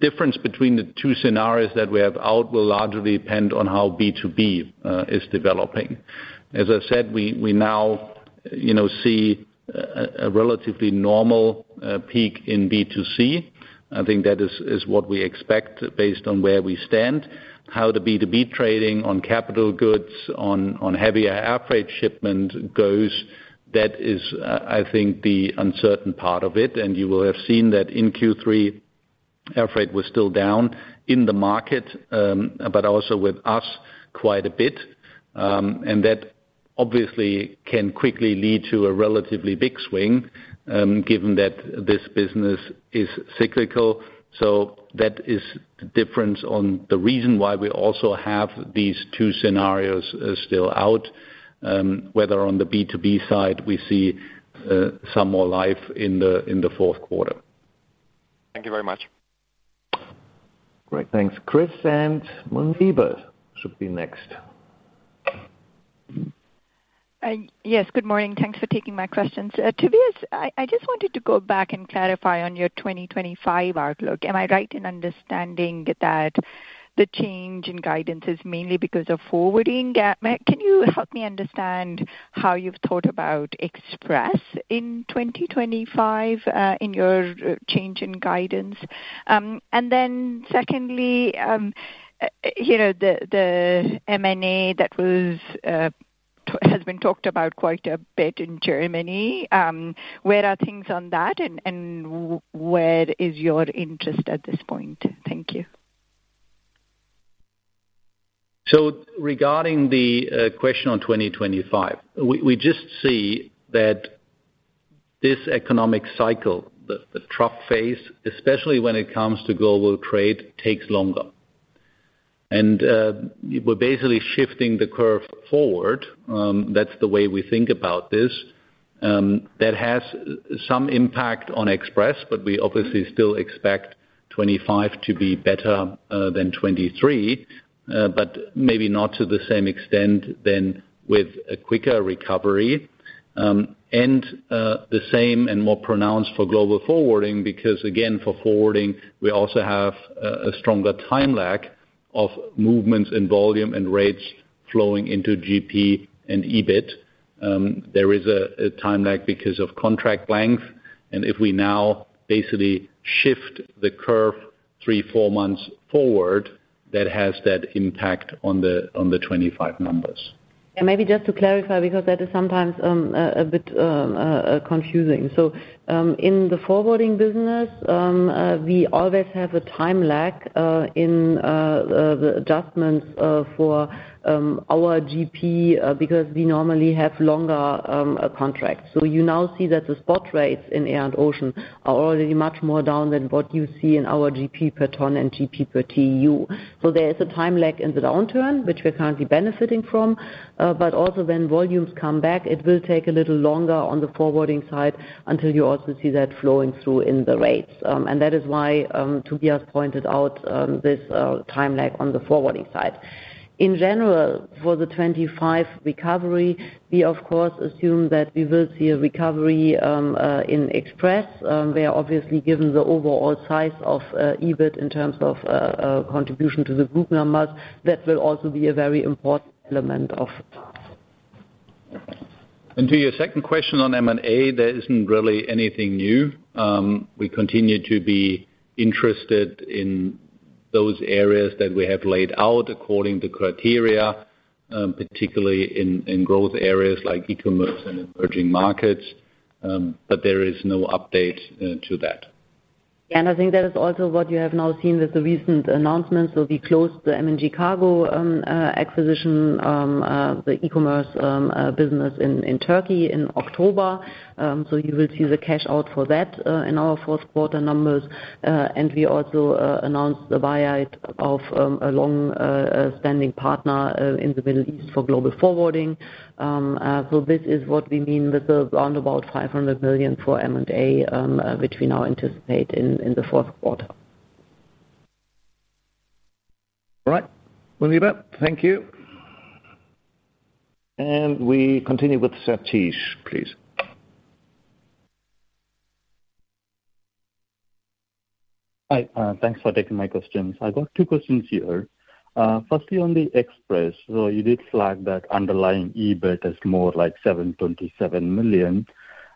difference between the two scenarios that we have out will largely depend on how B2B is developing. As I said, we now, you know, see a relatively normal peak in B2C. I think that is what we expect based on where we stand. How the B2B trading on capital goods, on heavier air freight shipment goes, that is, I think, the uncertain part of it, and you will have seen that in Q3, air freight was still down in the market, but also with us quite a bit. That obviously can quickly lead to a relatively big swing, given that this business is cyclical. So that is the difference on the reason why we also have these two scenarios still out, whether on the B2B side we see some more life in the Q4. Thank you very much. Great. Thanks, Chris and Muneeba should be next. Yes, good morning. Thanks for taking my questions. Tobias, I just wanted to go back and clarify on your 2025 outlook. Am I right in understanding that the change in guidance is mainly because of forwarding gap? Can you help me understand how you've thought about Express in 2025, in your change in guidance? And then secondly, you know, the M&A that was,... has been talked about quite a bit in Germany. Where are things on that, and where is your interest at this point? Thank you. So regarding the question on 2025, we just see that this economic cycle, the trough phase, especially when it comes to global trade, takes longer. And we're basically shifting the curve forward, that's the way we think about this. That has some impact on Express, but we obviously still expect 2025 to be better than 2023, but maybe not to the same extent than with a quicker recovery. And the same and more pronounced for Global Forwarding, because, again, for forwarding, we also have a stronger time lag of movements in volume and rates flowing into GP and EBIT. There is a time lag because of contract length, and if we now basically shift the curve 3-4 months forward, that has that impact on the 2025 numbers. Maybe just to clarify, because that is sometimes a bit confusing. So, in the forwarding business, we always have a time lag in the adjustments for our GP, because we normally have longer contracts. So you now see that the spot rates in air and ocean are already much more down than what you see in our GP per ton and GP per TEU. So there is a time lag in the downturn, which we're currently benefiting from, but also when volumes come back, it will take a little longer on the forwarding side until you also see that flowing through in the rates. And that is why Tobias pointed out this time lag on the forwarding side. In general, for the 2025 recovery, we of course assume that we will see a recovery in Express. We are obviously, given the overall size of contribution to the group numbers, that will also be a very important element of it. To your second question on M&A, there isn't really anything new. We continue to be interested in those areas that we have laid out according to criteria, particularly in growth areas like eCommerce and emerging markets, but there is no update to that. And I think that is also what you have now seen with the recent announcements. So we closed the MNG Kargo acquisition, the eCommerce business in Turkey in October. So you will see the cash out for that in our Q4 numbers. And we also announced the buyout of a long-standing partner in the Middle East for Global Forwarding. So this is what we mean with the around 500 million for M&A, which we now anticipate in the Q4. All right. Muneeba, thank you. We continue with Sathish, please. Hi, thanks for taking my questions. I've got two questions here. Firstly, on the Express, so you did flag that underlying EBIT is more like 727 million,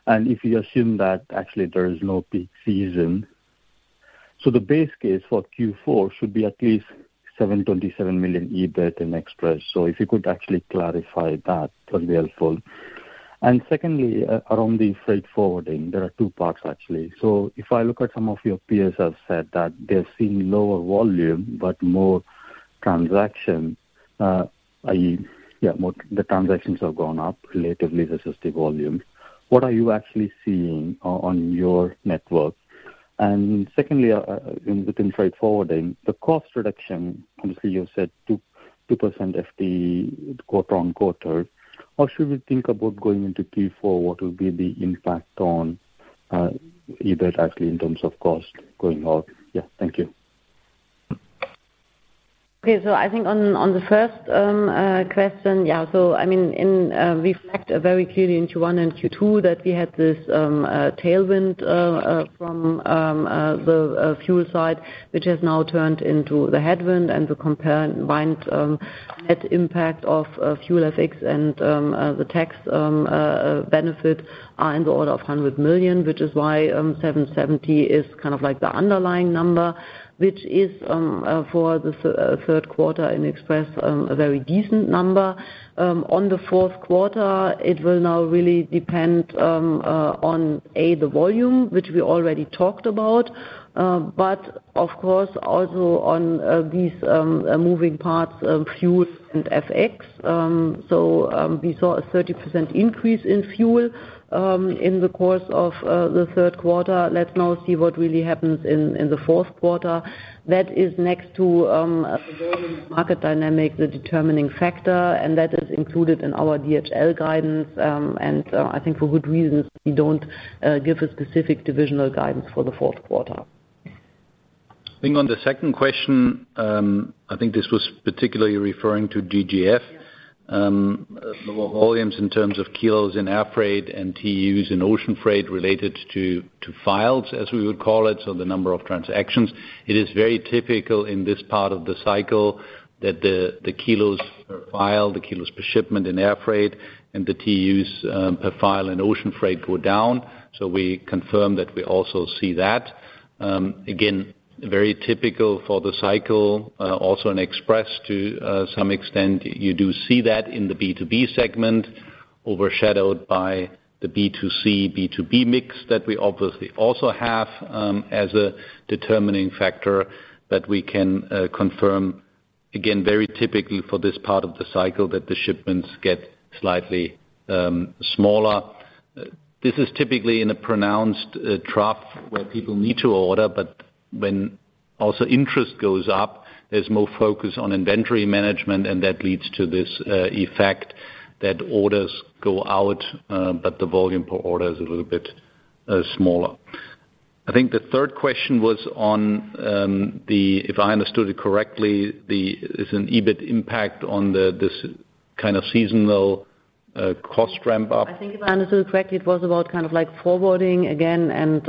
and if you assume that actually there is no peak season, so the base case for Q4 should be at least 727 million EBIT in Express. So if you could actually clarify that, that'd be helpful. And secondly, around the freight forwarding, there are two parts, actually. So if I look at some of your peers have said that they're seeing lower volume, but more transaction, i.e., yeah, more the transactions have gone up relatively versus the volume. What are you actually seeing on your network? And secondly, within freight forwarding, the cost reduction, obviously, you said 2, 2% FTE quarter-on-quarter. What should we think about going into Q4? What will be the impact on EBIT actually in terms of cost going out? Yeah. Thank you. Okay. So I think on the first question, yeah, so I mean, in, we flagged very clearly in Q1 and Q2 that we had this tailwind from the fuel side, which has now turned into the headwind and the combined net impact of fuel FX and the tax benefit are in the order of 100 million, which is why 770 is kind of like the underlying number, which is for the Q3 in Express a very decent number. On the Q4, it will now really depend on A, the volume, which we already talked about, but of course, also on these moving parts, fuels and FX. So, we saw a 30% increase in fuel in the course of the Q3. Let's now see what really happens in the Q4. That is next to the volume market dynamic, the determining factor, and that is included in our DHL guidance, and so I think for good reasons, we don't give a specific divisional guidance for the Q4. I think on the second question, I think this was particularly referring to DGF. The volumes in terms of kilos in air freight and TEUs in ocean freight related to files, as we would call it, so the number of transactions. It is very typical in this part of the cycle that the kilos per file, the kilos per shipment in air freight, and the TEUs per file in ocean freight go down. So we confirm that we also see that. Again, very typical for the cycle, also in Express to some extent, you do see that in the B2B segment, overshadowed by the B2C, B2B mix that we obviously also have as a determining factor that we can confirm. Again, very typically for this part of the cycle, that the shipments get slightly smaller. This is typically in a pronounced trough where people need to order, but when also interest goes up, there's more focus on inventory management, and that leads to this effect that orders go out, but the volume per order is a little bit smaller. I think the third question was on the-- if I understood it correctly, the, is an EBIT impact on the, this kind of seasonal cost ramp up? I think if I understood correctly, it was about kind of like forwarding again and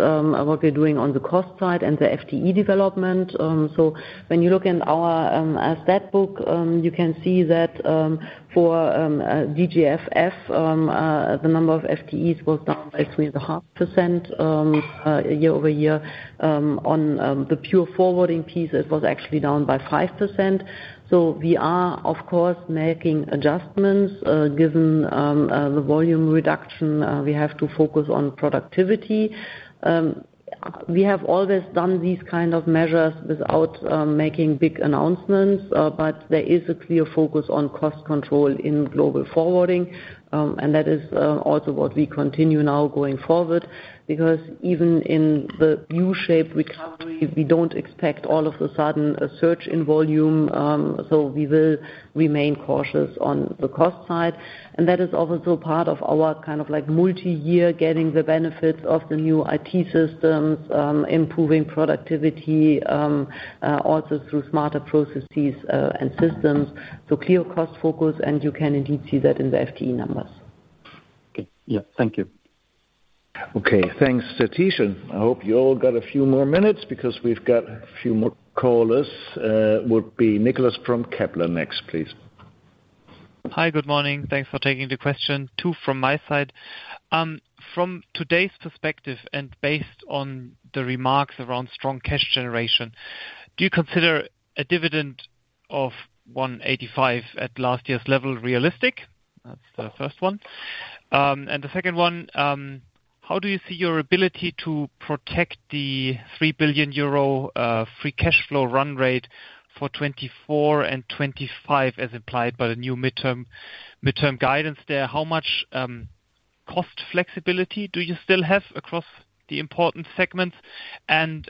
what we're doing on the cost side and the FTE development. So when you look in our asset book, you can see that for DGFF the number of FTEs was down by 3.5% year-over-year. On the pure forwarding piece, it was actually down by 5%. So we are, of course, making adjustments. Given the volume reduction, we have to focus on productivity. We have always done these kind of measures without making big announcements, but there is a clear focus on cost control in Global Forwarding, and that is also what we continue now going forward. Because even in the U-shaped recovery, we don't expect all of a sudden a surge in volume, so we will remain cautious on the cost side. And that is also part of our kind of like multi-year, getting the benefits of the new IT systems, improving productivity, also through smarter processes, and systems. So clear cost focus, and you can indeed see that in the FTE numbers. Yeah, thank you. Okay, thanks, Satish. I hope you all got a few more minutes, because we've got a few more callers. Would be Nicolas from Kepler next, please. Hi, good morning. Thanks for taking the question. Two from my side. From today's perspective, and based on the remarks around strong cash generation, do you consider a dividend of 185 at last year's level realistic? That's the first one. And the second one, how do you see your ability to protect the 3 billion euro free cash flow run rate for 2024 and 2025, as implied by the new midterm, midterm guidance there? How much cost flexibility do you still have across the important segments? And,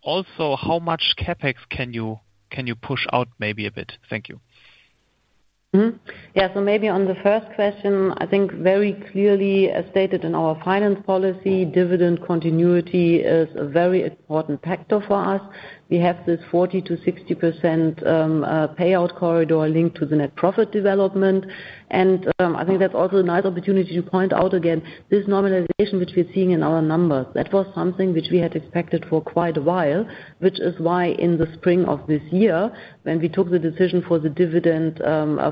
also, how much CapEx can you, can you push out maybe a bit? Thank you. Mm-hmm. Yeah, so maybe on the first question, I think very clearly as stated in our finance policy, dividend continuity is a very important factor for us. We have this 40%-60% payout corridor linked to the net profit development. I think that's also a nice opportunity to point out again, this normalization which we're seeing in our numbers, that was something which we had expected for quite a while, which is why in the spring of this year, when we took the decision for the dividend,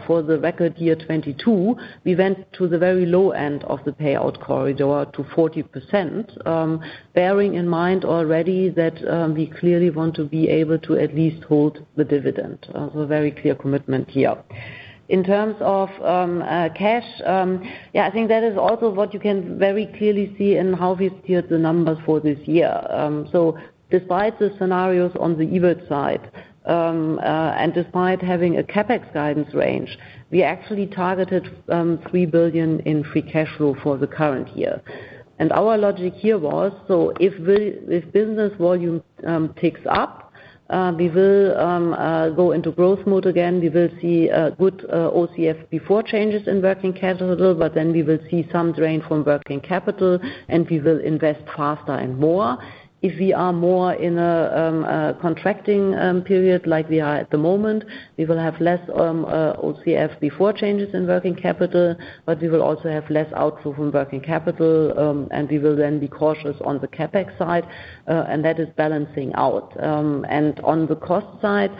for the record year 2022, we went to the very low end of the payout corridor to 40%. Bearing in mind already that we clearly want to be able to at least hold the dividend. So a very clear commitment here. In terms of cash, yeah, I think that is also what you can very clearly see in how we steered the numbers for this year. So despite the scenarios on the EBIT side and despite having a CapEx guidance range, we actually targeted 3 billion in free cash flow for the current year. And our logic here was, so if we—if business volume picks up, we will go into growth mode again. We will see a good OCF before changes in working capital, but then we will see some drain from working capital, and we will invest faster and more. If we are more in a contracting period like we are at the moment, we will have less OCF before changes in working capital, but we will also have less outflow from working capital, and we will then be cautious on the CapEx side, and that is balancing out. And on the cost side,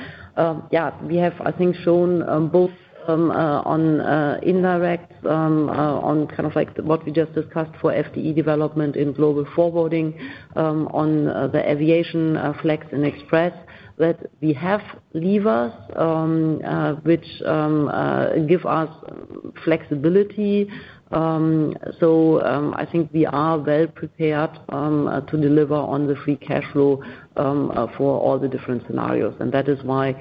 yeah, we have, I think, shown both on indirect on kind of like what we just discussed for FTE development in Global Forwarding, on the Aviation Freight and Express, that we have levers which give us flexibility. So, I think we are well prepared to deliver on the free cash flow for all the different scenarios. That is why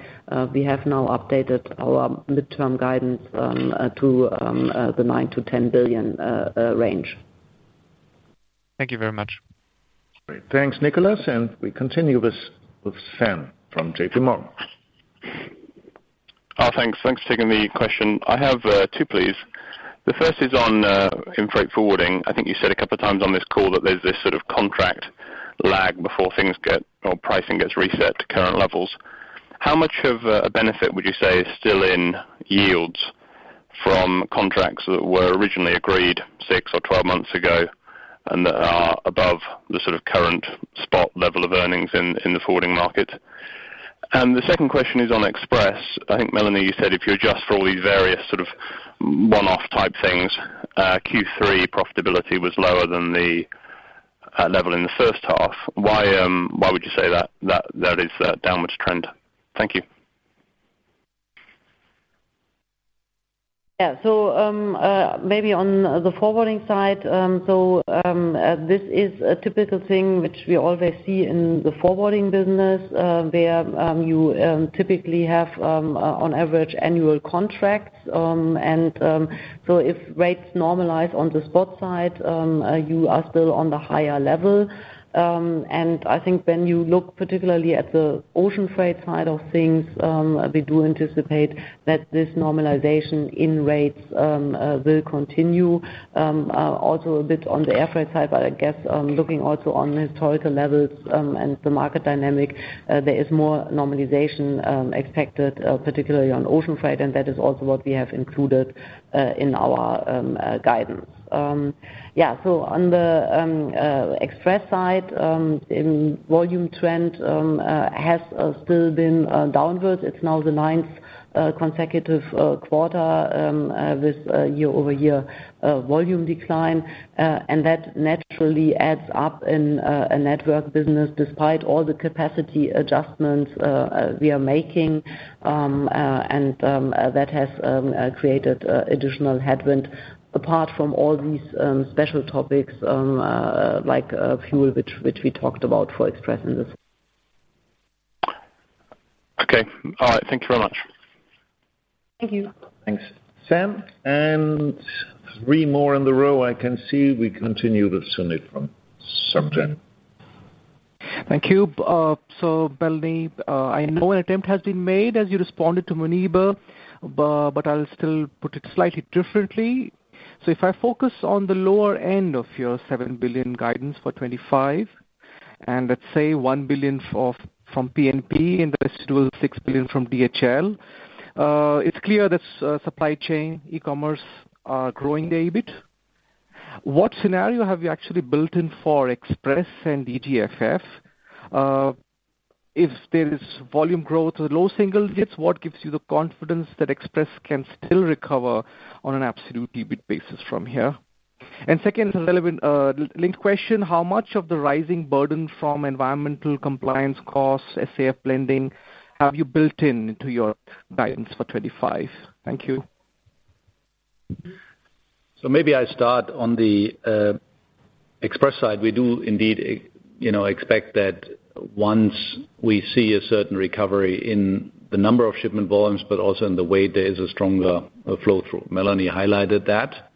we have now updated our midterm guidance to the 9 billion-10 billion range. Thank you very much. Great. Thanks, Nicolas. And we continue with Sam from JP Morgan. Thanks. Thanks for taking the question. I have two, please. The first is on in freight forwarding. I think you said a couple of times on this call that there's this sort of contract lag before things get or pricing gets reset to current levels. How much of a benefit would you say is still in yields from contracts that were originally agreed six or twelve months ago and that are above the sort of current spot level of earnings in the forwarding market? And the second question is on Express. I think, Melanie, you said if you adjust for all these various sort of one-off type things, Q3 profitability was lower than the level in the H1. Why would you say that there is a downwards trend? Thank you. ... Yeah, so, maybe on the forwarding side, so, this is a typical thing which we always see in the forwarding business, where, you, typically have, on average, annual contracts. And, so if rates normalize on the spot side, you are still on the higher level. And I think when you look particularly at the ocean freight side of things, we do anticipate that this normalization in rates, will continue. Also a bit on the airfreight side, but I guess, looking also on historical levels, and the market dynamic, there is more normalization, expected, particularly on ocean freight, and that is also what we have included, in our, guidance. Yeah, so On the Express side, in volume trend, has still been downward. It's now the ninth consecutive quarter with a year-over-year volume decline, and that naturally adds up in a network business, despite all the capacity adjustments we are making. And that has created additional headwind, apart from all these special topics like fuel, which we talked about for Express in this. Okay. All right, thank you very much. Thank you. Thanks, Sam. Three more in the row, I can see. We continue with Sumit from Bank of America. Thank you. So, Melanie, I know an attempt has been made as you responded to Muneeba, but I'll still put it slightly differently. So if I focus on the lower end of your 7 billion guidance for 2025, and let's say 1 billion from P&P and the rest is 6 billion from DHL, it's clear that Supply Chain, eCommerce, are growing the EBIT. What scenario have you actually built in for Express and DGFF? If there is volume growth or low single digits, what gives you the confidence that Express can still recover on an absolute EBIT basis from here? And second relevant link question, how much of the rising burden from environmental compliance costs, SAF blending, have you built into your guidance for 2025? Thank you. So maybe I start On the Express side. We do indeed, you know, expect that once we see a certain recovery in the number of shipment volumes, but also in the way there is a stronger flow through. Melanie highlighted that.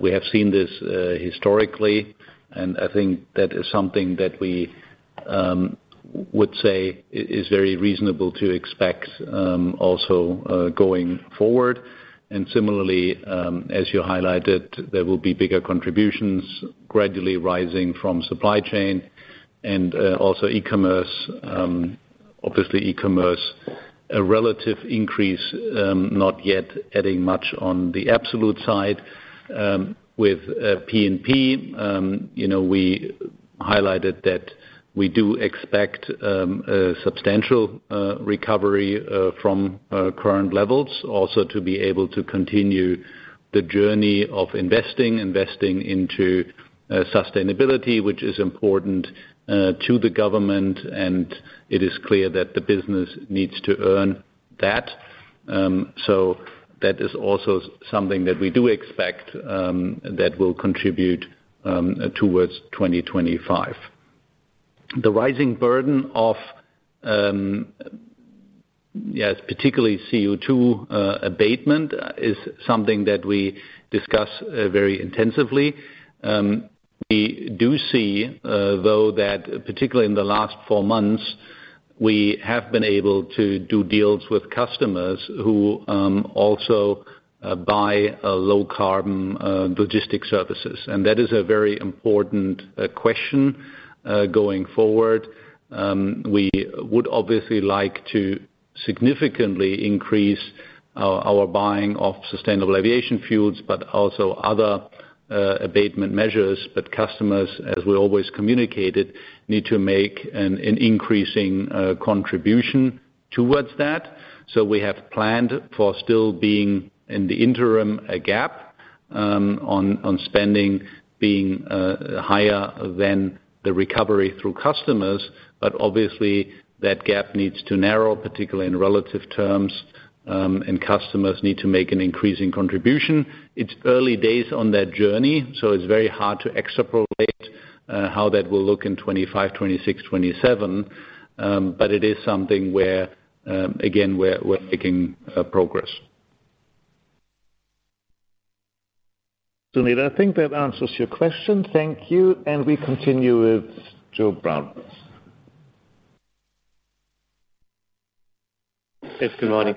We have seen this historically, and I think that is something that we would say is, is very reasonable to expect also going forward. And similarly, as you highlighted, there will be bigger contributions gradually rising from Supply Chain and also eCommerce. Obviously, eCommerce, a relative increase, not yet adding much on the absolute side, with P&P. You know, we highlighted that we do expect a substantial recovery from current levels. Also, to be able to continue the journey of investing into sustainability, which is important to the government, and it is clear that the business needs to earn that. So that is also something that we do expect that will contribute towards 2025. The rising burden of, yes, particularly CO2 abatement, is something that we discuss very intensively. We do see, though, that particularly in the last four months, we have been able to do deals with customers who also buy a low-carbon logistics services. And that is a very important question going forward. We would obviously like to significantly increase our buying of sustainable Aviation fuels, but also other abatement measures. But customers, as we always communicated, need to make an increasing contribution towards that. So we have planned for still being in the interim, a gap, on spending being higher than the recovery through customers. But obviously, that gap needs to narrow, particularly in relative terms, and customers need to make an increasing contribution. It's early days on that journey, so it's very hard to extrapolate how that will look in 2025, 2026, 2027. But it is something where, again, we're making progress. Sumit, I think that answers your question. Thank you. And we continue with Joe Brown. Yes, good morning.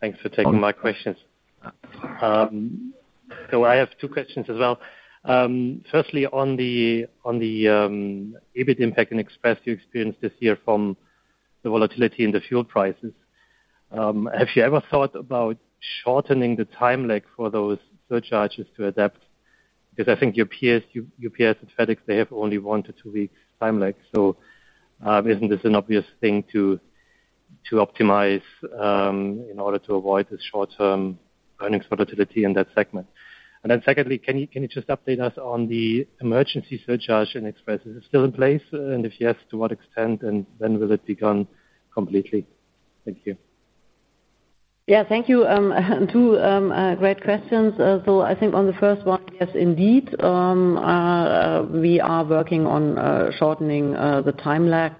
Thanks for taking my questions. So I have two questions as well. Firstly, on the EBIT impact and Express you experienced this year from the volatility in the fuel prices. Have you ever thought about shortening the time lag for those surcharges to adapt? Because I think your peers at FedEx, they have only 1-2 weeks time lag. So, isn't this an obvious thing to optimize in order to avoid the short-term earnings volatility in that segment?... And then, secondly, can you, can you just update us on the emergency surcharge and Express? Is it still in place? And if yes, to what extent, and when will it be gone completely? Thank you. Yeah, thank you. Two great questions. So I think on the first one, yes, indeed, we are working on shortening the time lag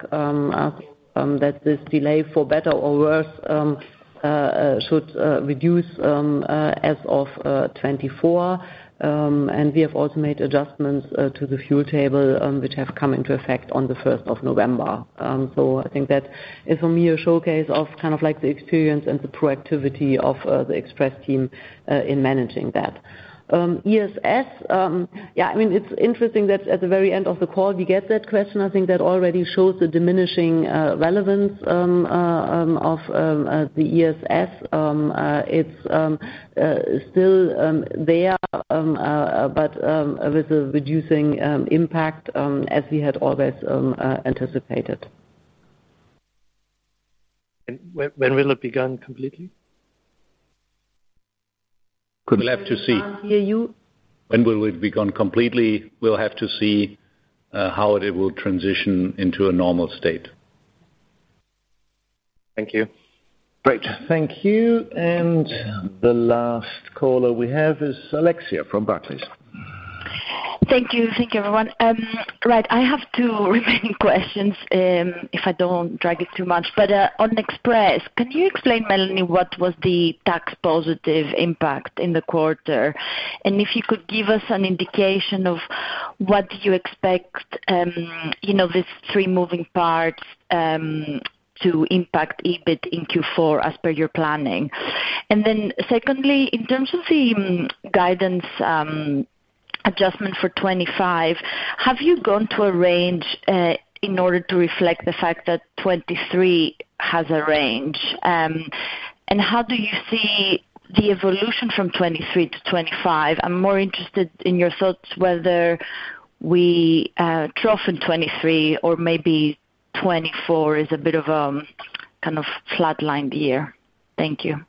that this delay, for better or worse, should reduce as of 2024. And we have also made adjustments to the fuel table, which have come into effect on the first of November. So I think that is, for me, a showcase of kind of like the experience and the proactivity of the Express team in managing that. ESS, yeah, I mean, it's interesting that at the very end of the call, we get that question. I think that already shows the diminishing relevance of the ESS. It's still there, but with a reducing impact as we had always anticipated. When will it be gone completely? We'll have to see. Can't hear you. When will it be gone completely? We'll have to see how it will transition into a normal state. Thank you. Great. Thank you. The last caller we have is Alexia from Barclays. Thank you. Thank you, everyone. Right, I have two remaining questions, if I don't drag it too much. On Express, can you explain, Melanie, what was the tax positive impact in the quarter? And if you could give us an indication of what you expect, you know, these three moving parts, to impact EBIT in Q4 as per your planning. And then secondly, in terms of the guidance, adjustment for 2025, have you gone to a range, in order to reflect the fact that 2023 has a range? And how do you see the evolution from 2023 to 2025? I'm more interested in your thoughts whether we, trough in 2023 or maybe 2024 is a bit of, kind of flatlined year. Thank you.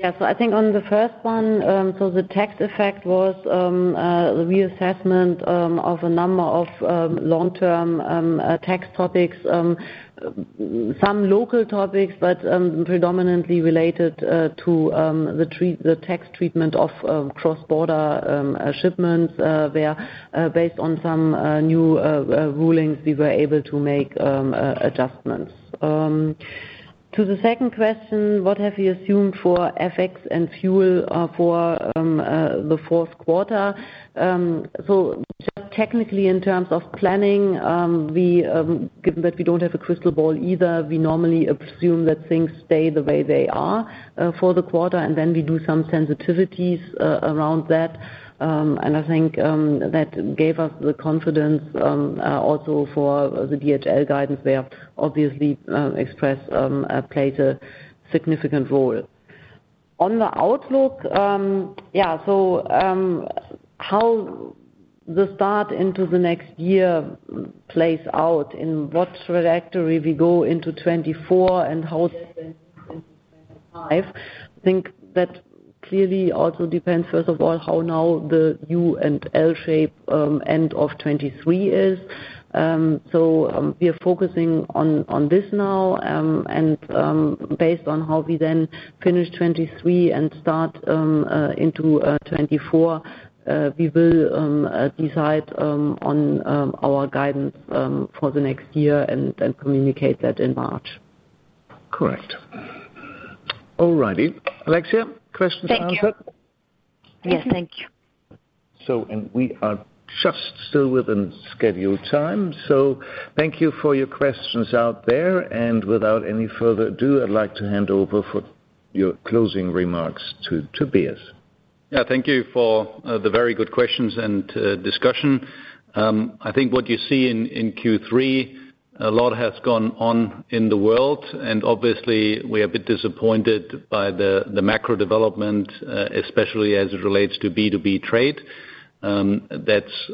Yeah. So I think on the first one, so the tax effect was the reassessment of a number of long-term tax topics, some local topics, but predominantly related to the tax treatment of cross-border shipments, where based on some new rulings, we were able to make adjustments. To the second question, what have we assumed for FX and fuel for the Q4? So technically, in terms of planning, given that we don't have a crystal ball either, we normally assume that things stay the way they are for the quarter, and then we do some sensitivities around that. And I think that gave us the confidence also for the DHL guidance, where obviously Express plays a significant role. On the outlook, yeah, so how the start into the next year plays out, in what trajectory we go into 2024 and how I think that clearly also depends, first of all, how now the U and L shape end of 2023 is. So we are focusing on this now, and based on how we then finish 2023 and start into 2024, we will decide on our guidance for the next year and communicate that in March. Correct. All righty. Alexia, questions answered? Thank you. Yes, thank you. So, and we are just still within scheduled time, so thank you for your questions out there. Without any further ado, I'd like to hand over for your closing remarks to, to Tobias. Yeah, thank you for the very good questions and discussion. I think what you see in Q3, a lot has gone on in the world, and obviously, we are a bit disappointed by the macro development, especially as it relates to B2B trade. That's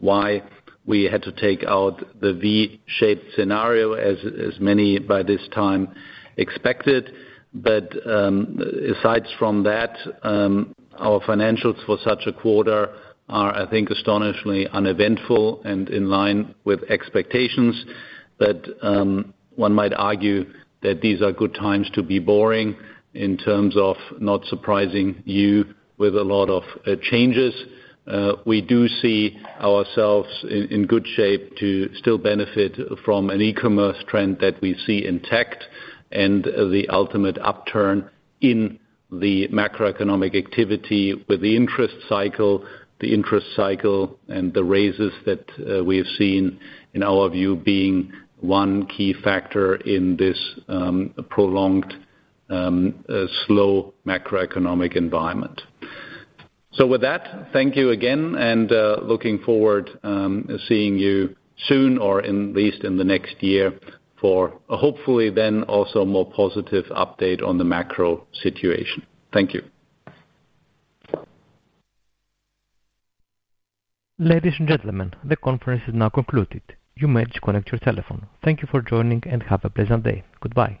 why we had to take out the V-shaped scenario as many by this time expected. But aside from that, our financials for such a quarter are, I think, astonishingly uneventful and in line with expectations that one might argue that these are good times to be boring in terms of not surprising you with a lot of changes. We do see ourselves in good shape to still benefit from an eCommerce trend that we see intact, and the ultimate upturn in the macroeconomic activity with the interest cycle and the raises that we have seen, in our view, being one key factor in this prolonged slow macroeconomic environment. So with that, thank you again, and looking forward seeing you soon or at least in the next year, for hopefully then also a more positive update on the macro situation. Thank you. Ladies and gentlemen, the conference is now concluded. You may disconnect your telephone. Thank you for joining and have a pleasant day. Goodbye.